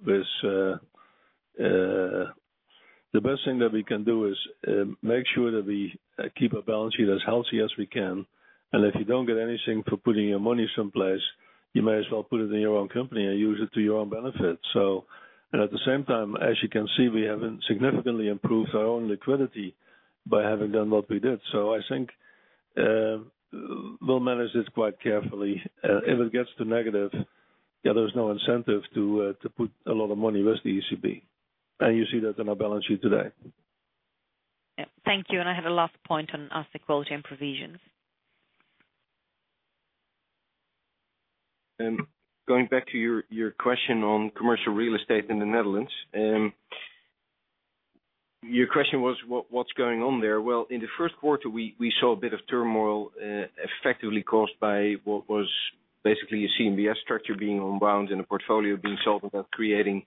The best thing that we can do is make sure that we keep a balance sheet as healthy as we can. If you don't get anything for putting your money someplace, you may as well put it in your own company and use it to your own benefit. At the same time, as you can see, we have significantly improved our own liquidity by having done what we did. I think, we'll manage this quite carefully. If it gets to negative, there's no incentive to put a lot of money with the ECB. You see that in our balance sheet today. Yeah. Thank you. I have a last point on asset quality and provisions. Going back to your question on commercial real estate in the Netherlands. Your question was, "What's going on there?" Well, in the first quarter, we saw a bit of turmoil, effectively caused by what was basically a CMBS structure being unwound and a portfolio being sold without creating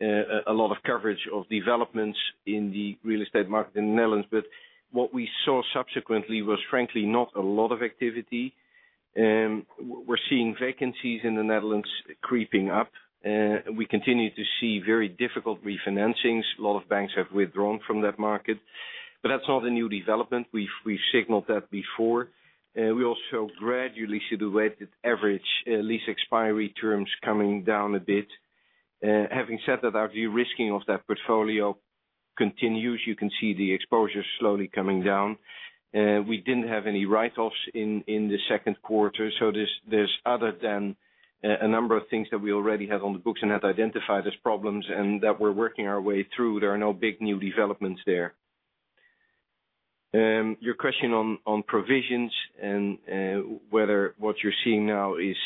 a lot of coverage of developments in the real estate market in the Netherlands. What we saw subsequently was frankly not a lot of activity. We're seeing vacancies in the Netherlands creeping up. We continue to see very difficult refinancings. A lot of banks have withdrawn from that market. That's not a new development. We've signaled that before. We also gradually see the weighted average lease expiry terms coming down a bit. Having said that, our de-risking of that portfolio continues. You can see the exposure slowly coming down. We didn't have any write-offs in the second quarter. There's other than a number of things that we already have on the books and have identified as problems and that we're working our way through. There are no big new developments there. Your question on provisions and whether what you're seeing now is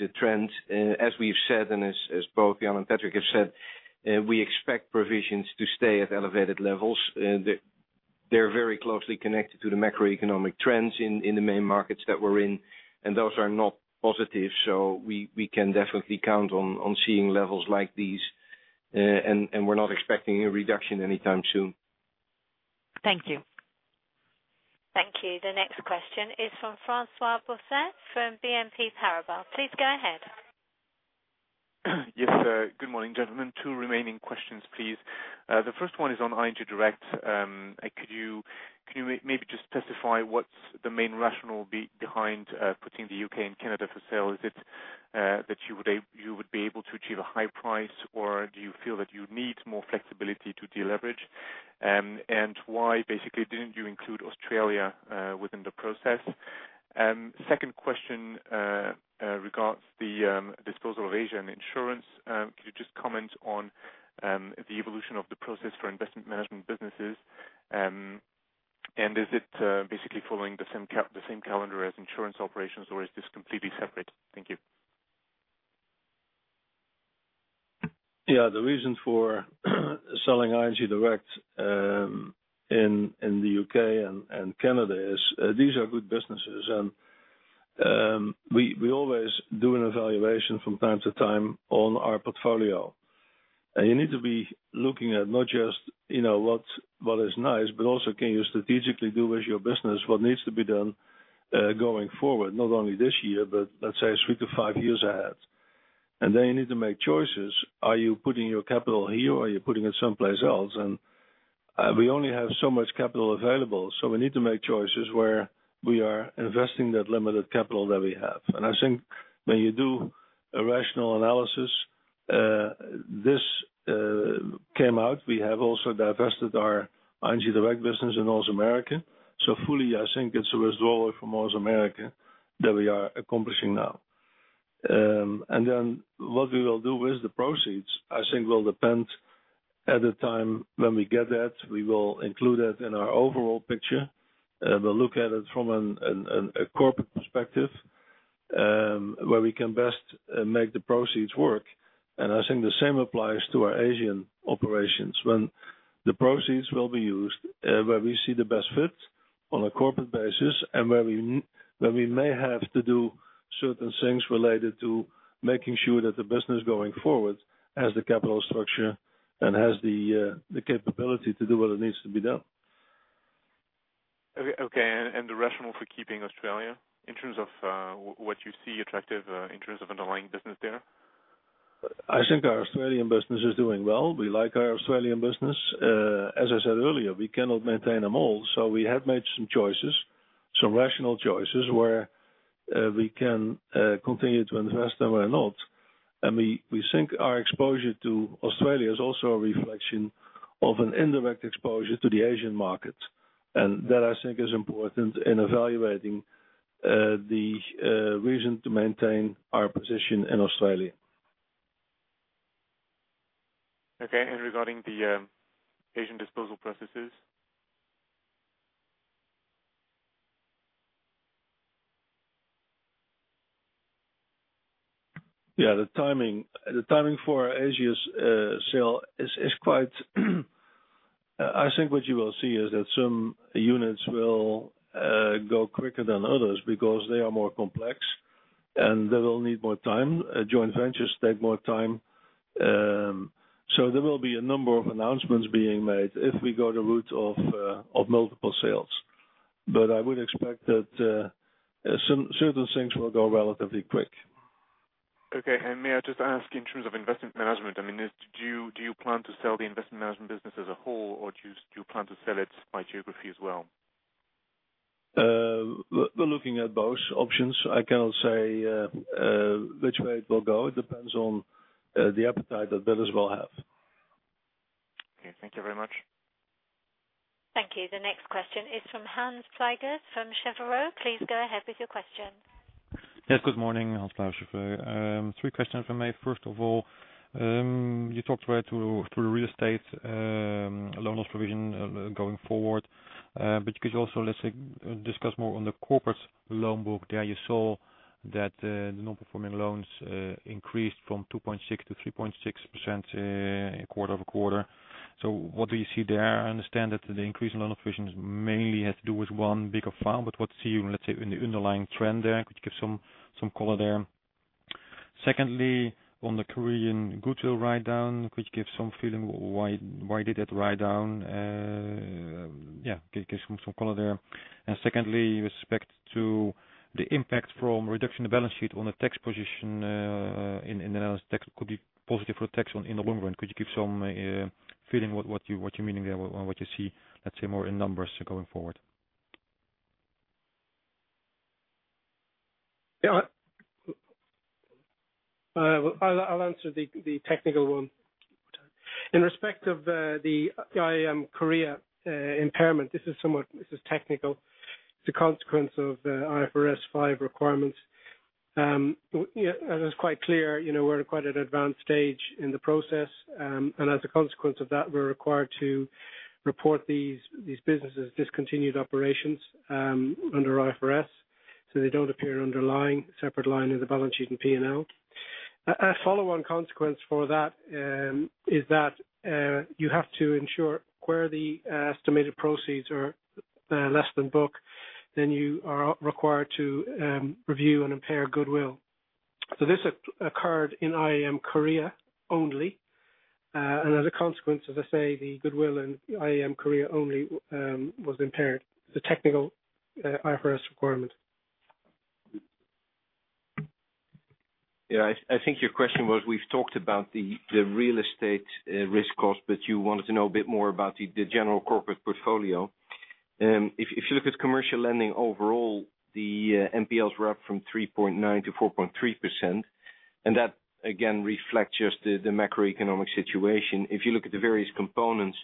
a trend. As we've said, and as both Jan and Patrick have said, we expect provisions to stay at elevated levels. They're very closely connected to the macroeconomic trends in the main markets that we're in, and those are not positive. We can definitely count on seeing levels like these, and we're not expecting a reduction anytime soon. Thank you. Thank you. The next question is from François-Xavier Bousset, from BNP Paribas. Please go ahead. Yes. Good morning, gentlemen. Two remaining questions, please. The first one is on ING Direct. Could you maybe just specify what's the main rationale behind putting the UK and Canada for sale? Is it that you would be able to achieve a high price, or do you feel that you need more flexibility to deleverage? Why basically didn't you include Australia within the process? Second question regards the disposal of Insurance Asia. Could you just comment on the evolution of the process for investment management businesses? Is it basically following the same calendar as insurance operations, or is this completely separate? Thank you. The reason for selling ING Direct in the UK and Canada is these are good businesses. We always do an evaluation from time to time on our portfolio. You need to be looking at not just what is nice, but also can you strategically do with your business what needs to be done going forward, not only this year, but let's say three to five years ahead. Then you need to make choices. Are you putting your capital here, or are you putting it someplace else? We only have so much capital available, so we need to make choices where we are investing that limited capital that we have. I think when you do a rational analysis, this came out. We have also divested our ING Direct business in North America. Fully, I think it's a result from North America that we are accomplishing now. Then what we will do with the proceeds, I think will depend at the time when we get that. We will include that in our overall picture, and we'll look at it from a corporate perspective, where we can best make the proceeds work. I think the same applies to our Asian operations. When the proceeds will be used, where we see the best fit on a corporate basis, and where we may have to do certain things related to making sure that the business going forward has the capital structure and has the capability to do what needs to be done. Okay. The rationale for keeping Australia in terms of what you see attractive in terms of underlying business there? I think our Australian business is doing well. We like our Australian business. As I said earlier, we cannot maintain them all, so we have made some choices, some rational choices, where we can continue to invest and where not. We think our exposure to Australia is also a reflection of an indirect exposure to the Asian market. That, I think, is important in evaluating the reason to maintain our position in Australia. Okay. Regarding the Asian disposal processes? Yeah. The timing for Asia's sale is quite I think what you will see is that some units will go quicker than others because they are more complex, and they will need more time. Joint ventures take more time. There will be a number of announcements being made if we go the route of multiple sales. I would expect that certain things will go relatively quick. Okay. May I just ask in terms of investment management, do you plan to sell the investment management business as a whole, or do you plan to sell it by geography as well? We're looking at both options. I cannot say which way it will go. It depends on the appetite that bidders will have. Okay. Thank you very much. Thank you. The next question is from Hans Zwijgers from Cheuvreux. Please go ahead with your question. Yes. Good morning. Hans Zwijgers. Three questions if I may. First of all, you talked through real estate loan loss provision going forward. Could you also, let's say, discuss more on the corporate loan book? There you saw that the non-performing loans increased from 2.6%-3.6% quarter-over-quarter. What do you see there? I understand that the increase in loan provisions mainly has to do with one bigger file. What's the, let's say, underlying trend there? Could you give some color there? Secondly, on the Korean goodwill write-down, could give some feeling why they did write-down? Give some color there. Secondly, with respect to the impact from reduction in the balance sheet on the tax position in the Netherlands, could be positive for tax in the long run. Could you give some feeling what you mean there or what you see, let's say, more in numbers going forward? Yeah. I'll answer the technical one. In respect of the IAM Korea impairment, this is technical. It's a consequence of IFRS 5 requirements. As it's quite clear, we're quite at an advanced stage in the process. As a consequence of that, we're required to report these businesses' discontinued operations under IFRS, so they don't appear underlying, separate line in the balance sheet and P&L. A follow-on consequence for that, is that you have to ensure where the estimated proceeds are less than book, then you are required to review and impair goodwill. This occurred in IAM Korea only. As a consequence, as I say, the goodwill in IAM Korea only was impaired. It's a technical IFRS requirement. Yeah, I think your question was, we've talked about the real estate risk cost. You wanted to know a bit more about the general corporate portfolio. If you look at commercial lending overall, the NPLs were up from 3.9%-4.3%. That again reflects just the macroeconomic situation. If you look at the various components,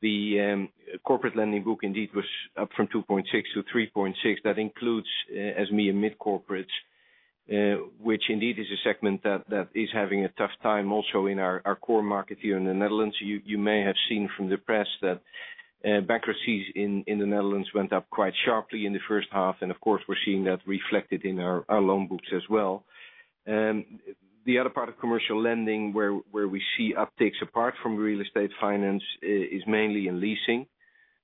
the corporate lending book indeed was up from 2.6%-3.6%. That includes SME and mid-corporates, which indeed is a segment that is having a tough time also in our core market here in the Netherlands. You may have seen from the press that bankruptcies in the Netherlands went up quite sharply in the first half. Of course, we're seeing that reflected in our loan books as well. The other part of commercial lending where we see upticks apart from real estate finance is mainly in leasing,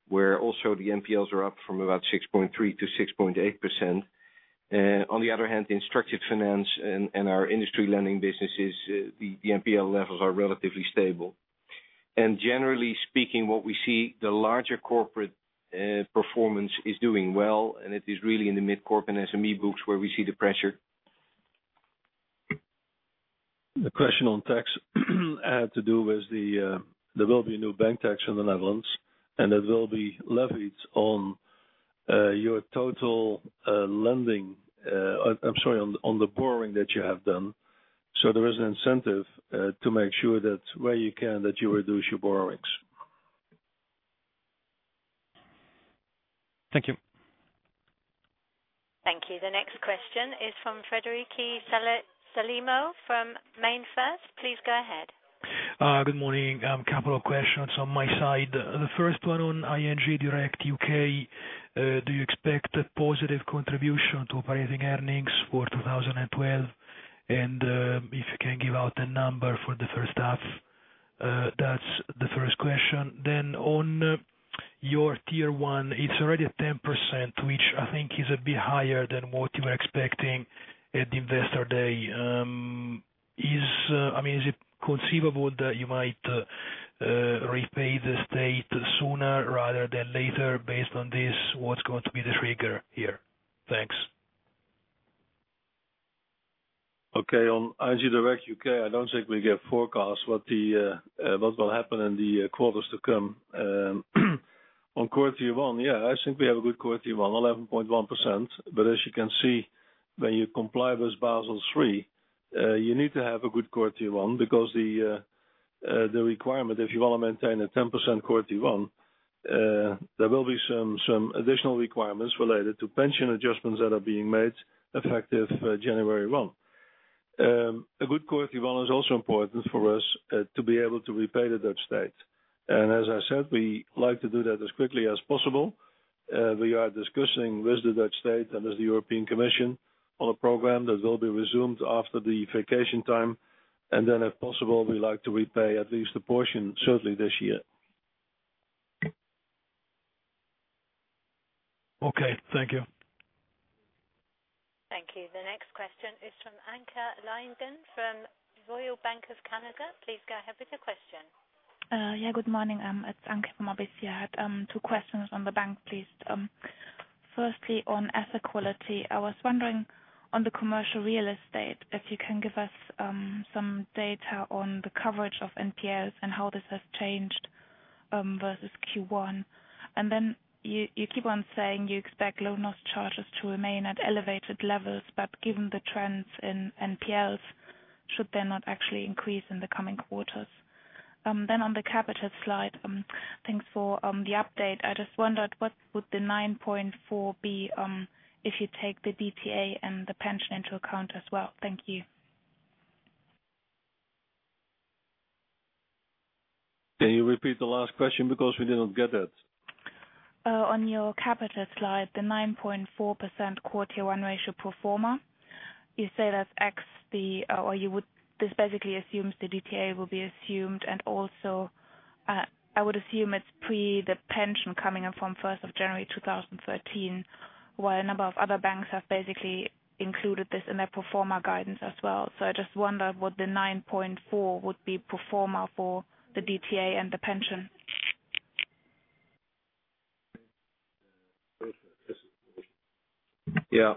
where also the NPLs are up from about 6.3% to 6.8%. On the other hand, the structured finance and our industry lending businesses, the NPL levels are relatively stable. Generally speaking, what we see, the larger corporate performance is doing well, and it is really in the mid-corp and SME books where we see the pressure. The question on tax had to do with there will be a new bank tax in the Netherlands, and it will be levied on your total lending. I'm sorry, on the borrowing that you have done. There is an incentive to make sure that where you can, that you reduce your borrowings. Thank you. Thank you. The next question is from Federico Sellini from MainFirst. Please go ahead. Good morning. A couple of questions on my side. The first one on ING Direct UK, do you expect a positive contribution to operating earnings for 2012? If you can give out a number for the first half. That's the first question. On your Tier 1, it's already at 10%, which I think is a bit higher than what you were expecting at Investor Day. Is it conceivable that you might repay the state sooner rather than later based on this? What's going to be the trigger here? Thanks. Okay. On ING Direct UK, I don't think we give forecasts what will happen in the quarters to come. On quarter one, yeah, I think we have a good quarter one, 11.1%, but as you can see, when you comply with Basel III, you need to have a good quarter one, because the requirement, if you want to maintain a 10% quarter one, there will be some additional requirements related to pension adjustments that are being made effective January 1. A good quarter one is also important for us to be able to repay the Dutch state. As I said, we like to do that as quickly as possible. We are discussing with the Dutch state and with the European Commission on a program that will be resumed after the vacation time. If possible, we like to repay at least a portion certainly this year. Okay. Thank you. Thank you. The next question is from Anke Reingen from Royal Bank of Canada. Please go ahead with your question. Good morning. It's Anke from RBC. I had two questions on the bank, please. Firstly, on asset quality, I was wondering on the commercial real estate, if you can give us some data on the coverage of NPLs and how this has changed versus Q1. You keep on saying you expect loan loss charges to remain at elevated levels, but given the trends in NPLs, should they not actually increase in the coming quarters? On the capital slide, thanks for the update. I just wondered what would the 9.4% be if you take the DTA and the pension into account as well. Thank you. Can you repeat the last question because we didn't get that? On your capital slide, the 9.4% Q1 ratio pro forma, you say this basically assumes the DTA will be assumed, and also I would assume it's pre the pension coming in from 1st of January 2013, while a number of other banks have basically included this in their pro forma guidance as well. I just wonder what the 9.4% would be pro forma for the DTA and the pension.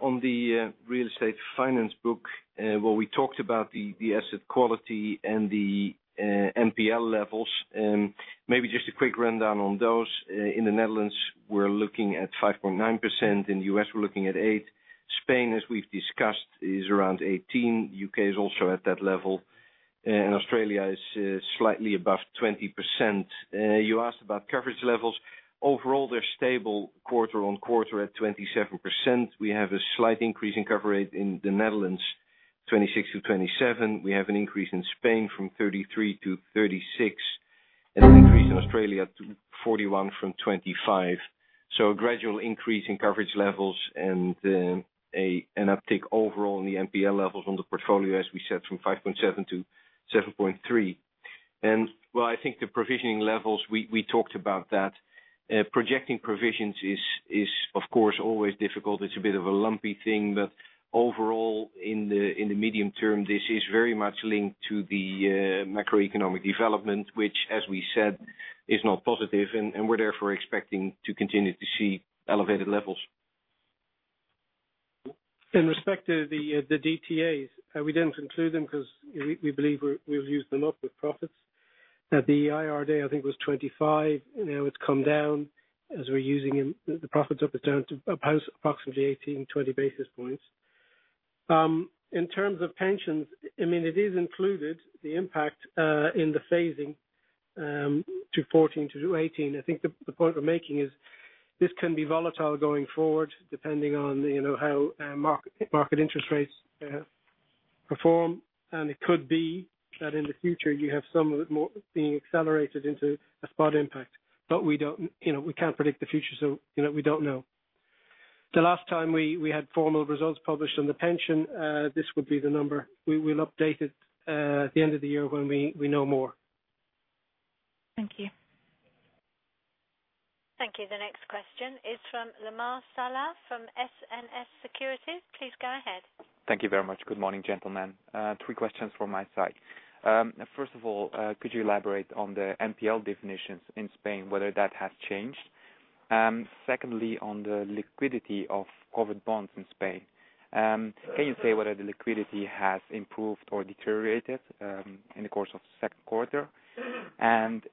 On the real estate finance book, where we talked about the asset quality and the NPL levels, maybe just a quick rundown on those. In the Netherlands, we're looking at 5.9%. In U.S., we're looking at 8%. Spain, as we've discussed, is around 18%. U.K. is also at that level, and Australia is slightly above 20%. You asked about coverage levels. Overall, they're stable quarter-on-quarter at 27%. We have a slight increase in cover rate in the Netherlands, 26%-27%. We have an increase in Spain from 33%-36%, and an increase in Australia to 41% from 25%. A gradual increase in coverage levels and an uptick overall in the NPL levels on the portfolio, as we said, from 5.7%-7.3%. Well, I think the provisioning levels, we talked about that. Projecting provisions is of course always difficult. It's a bit of a lumpy thing. Overall in the medium term, this is very much linked to the macroeconomic development, which, as we said, is not positive. We're therefore expecting to continue to see elevated levels. In respect to the DTAs, we didn't include them because we believe we'll use them up with profits. At the IR day, I think it was 25. Now it's come down as we're using the profits up. It's down to approximately 18-20 basis points. In terms of pensions, it is included, the impact, in the phasing to 14-18. I think the point we're making is this can be volatile going forward, depending on how market interest rates perform. It could be that in the future you have some of it being accelerated into a spot impact. We can't predict the future, so we don't know. The last time we had formal results published on the pension, this would be the number. We'll update it at the end of the year when we know more. Thank you. Thank you. The next question is from Lemer Salah from SNS Securities. Please go ahead. Thank you very much. Good morning, gentlemen. Three questions from my side. First of all, could you elaborate on the NPL definitions in Spain, whether that has changed? Secondly, on the liquidity of covered bonds in Spain, can you say whether the liquidity has improved or deteriorated in the course of the second quarter?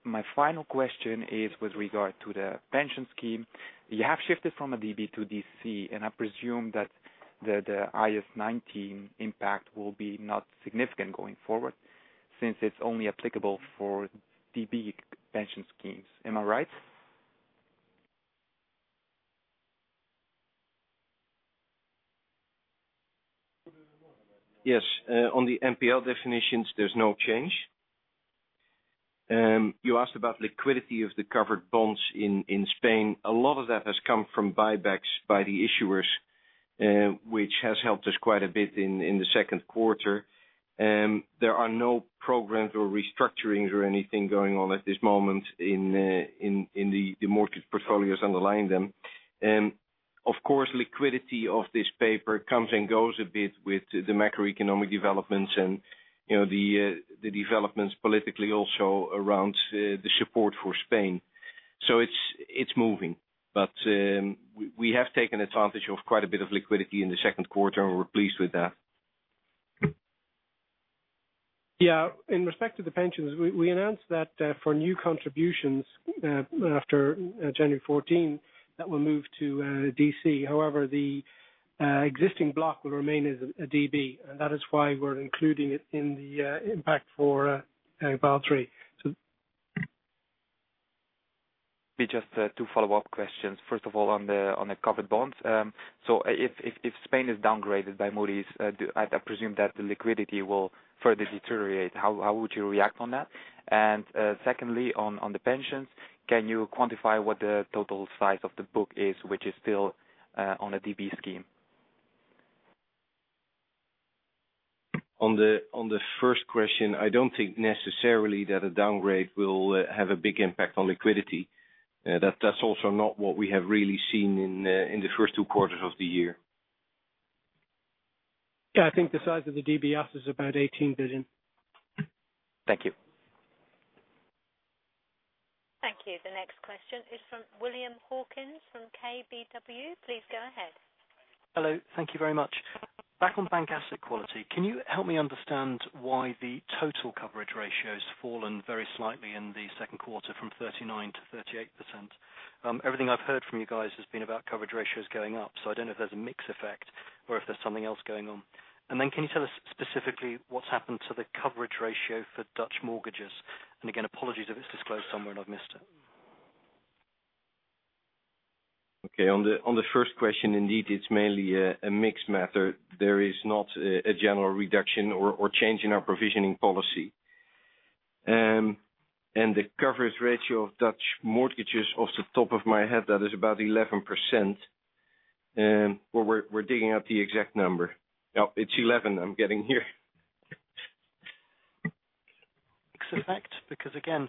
My final question is with regard to the pension scheme. You have shifted from a DB to DC. I presume that the IAS 19 impact will be not significant going forward since it's only applicable for DB pension schemes. Am I right? Yes. On the NPL definitions, there's no change. You asked about liquidity of the covered bonds in Spain. A lot of that has come from buybacks by the issuers, which has helped us quite a bit in the second quarter. There are no programs or restructurings or anything going on at this moment in the mortgage portfolios underlying them. Of course, liquidity of this paper comes and goes a bit with the macroeconomic developments and the developments politically also around the support for Spain. It's moving, but we have taken advantage of quite a bit of liquidity in the second quarter, and we're pleased with that. Yeah. In respect to the pensions, we announced that for new contributions after January 2014 that we'll move to DC. However, the existing block will remain as a DB. That is why we're including it in the impact for Basel III. Just two follow-up questions. First of all, on the covered bonds. If Spain is downgraded by Moody's, I presume that the liquidity will further deteriorate. How would you react to that? Secondly, on the pensions, can you quantify what the total size of the book is, which is still on a DB scheme? On the first question, I don't think necessarily that a downgrade will have a big impact on liquidity. That's also not what we have really seen in the first two quarters of the year. Yeah, I think the size of the DB assets is about 18 billion. Thank you. Thank you. The next question is from William Hawkins from KBW. Please go ahead. Hello, thank you very much. Back on bank asset quality, can you help me understand why the total coverage ratio has fallen very slightly in the second quarter from 39% to 38%? Everything I've heard from you guys has been about coverage ratios going up. I don't know if there's a mix effect or if there's something else going on. Can you tell us specifically what's happened to the coverage ratio for Dutch mortgages? Again, apologies if it's disclosed somewhere and I've missed it. Okay. On the first question, indeed, it's mainly a mix matter. There is not a general reduction or change in our provisioning policy. The coverage ratio of Dutch mortgages, off the top of my head, that is about 11%. We're digging up the exact number. No, it's 11 I'm getting here. Mix effect? Because again,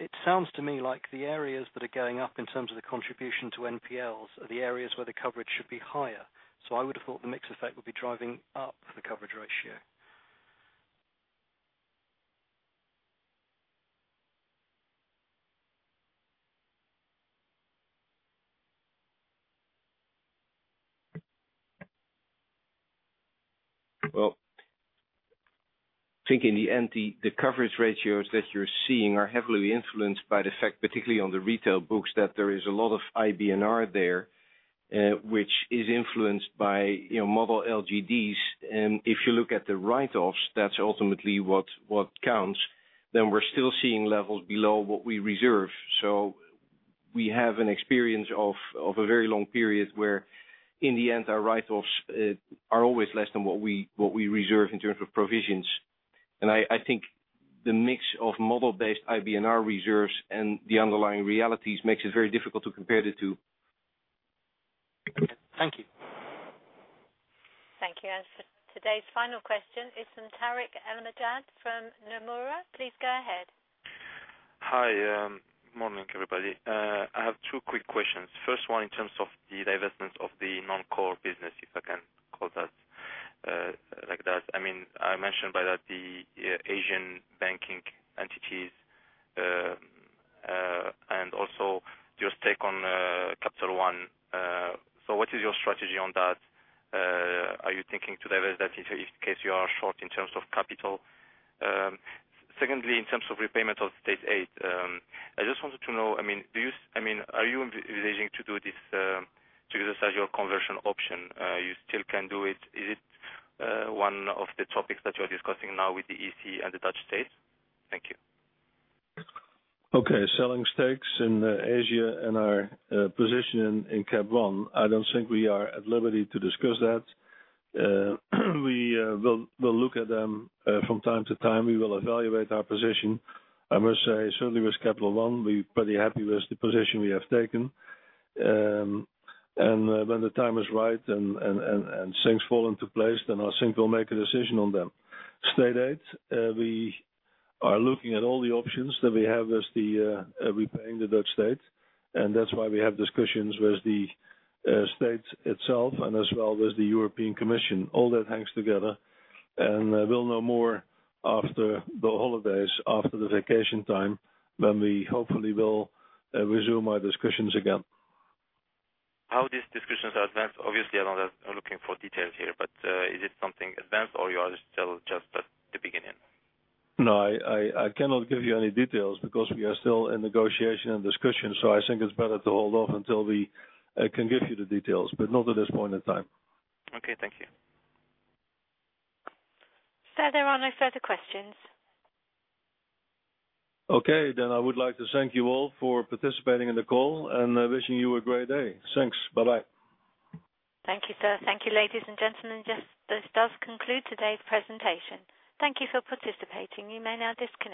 it sounds to me like the areas that are going up in terms of the contribution to NPLs are the areas where the coverage should be higher. I would have thought the mix effect would be driving up the coverage ratio. Well, I think in the end, the coverage ratios that you're seeing are heavily influenced by the fact, particularly on the retail books, that there is a lot of IBNR there, which is influenced by model LGDs. If you look at the write-offs, that's ultimately what counts, then we're still seeing levels below what we reserve. We have an experience of a very long period where, in the end, our write-offs are always less than what we reserve in terms of provisions. I think the mix of model-based IBNR reserves and the underlying realities makes it very difficult to compare the two. Thank you. Thank you. For today's final question is from Tarik El Mejjad from Nomura. Please go ahead. Hi. Morning, everybody. I have two quick questions. First one, in terms of the divestment of the non-core business, if I can call that like that. I mentioned by that the Asian banking entities, and also your stake on Capital One. What is your strategy on that? Are you thinking to divest that in case you are short in terms of capital? Secondly, in terms of repayment of state aid, I just wanted to know, are you envisioning to do this to exercise your conversion option? You still can do it. Is it one of the topics that you're discussing now with the EC and the Dutch State? Thank you. Okay. Selling stakes in Asia and our position in Capital One, I don't think we are at liberty to discuss that. We'll look at them from time to time. We will evaluate our position. I must say, certainly with Capital One, we're pretty happy with the position we have taken. When the time is right and things fall into place, then I think we'll make a decision on them. State aid, we are looking at all the options that we have as repaying the Dutch State, and that's why we have discussions with the State itself as well as the European Commission. All that hangs together, and we'll know more after the holidays, after the vacation time, when we hopefully will resume our discussions again. How these discussions advance, obviously, I know that I'm looking for details here, but is it something advanced or you are still just at the beginning? No, I cannot give you any details because we are still in negotiation and discussion, so I think it's better to hold off until we can give you the details, but not at this point in time. Okay. Thank you. Sir, there are no further questions. I would like to thank you all for participating in the call, and wishing you a great day. Thanks. Bye-bye. Thank you, sir. Thank you, ladies and gentlemen. This does conclude today's presentation. Thank you for participating. You may now disconnect.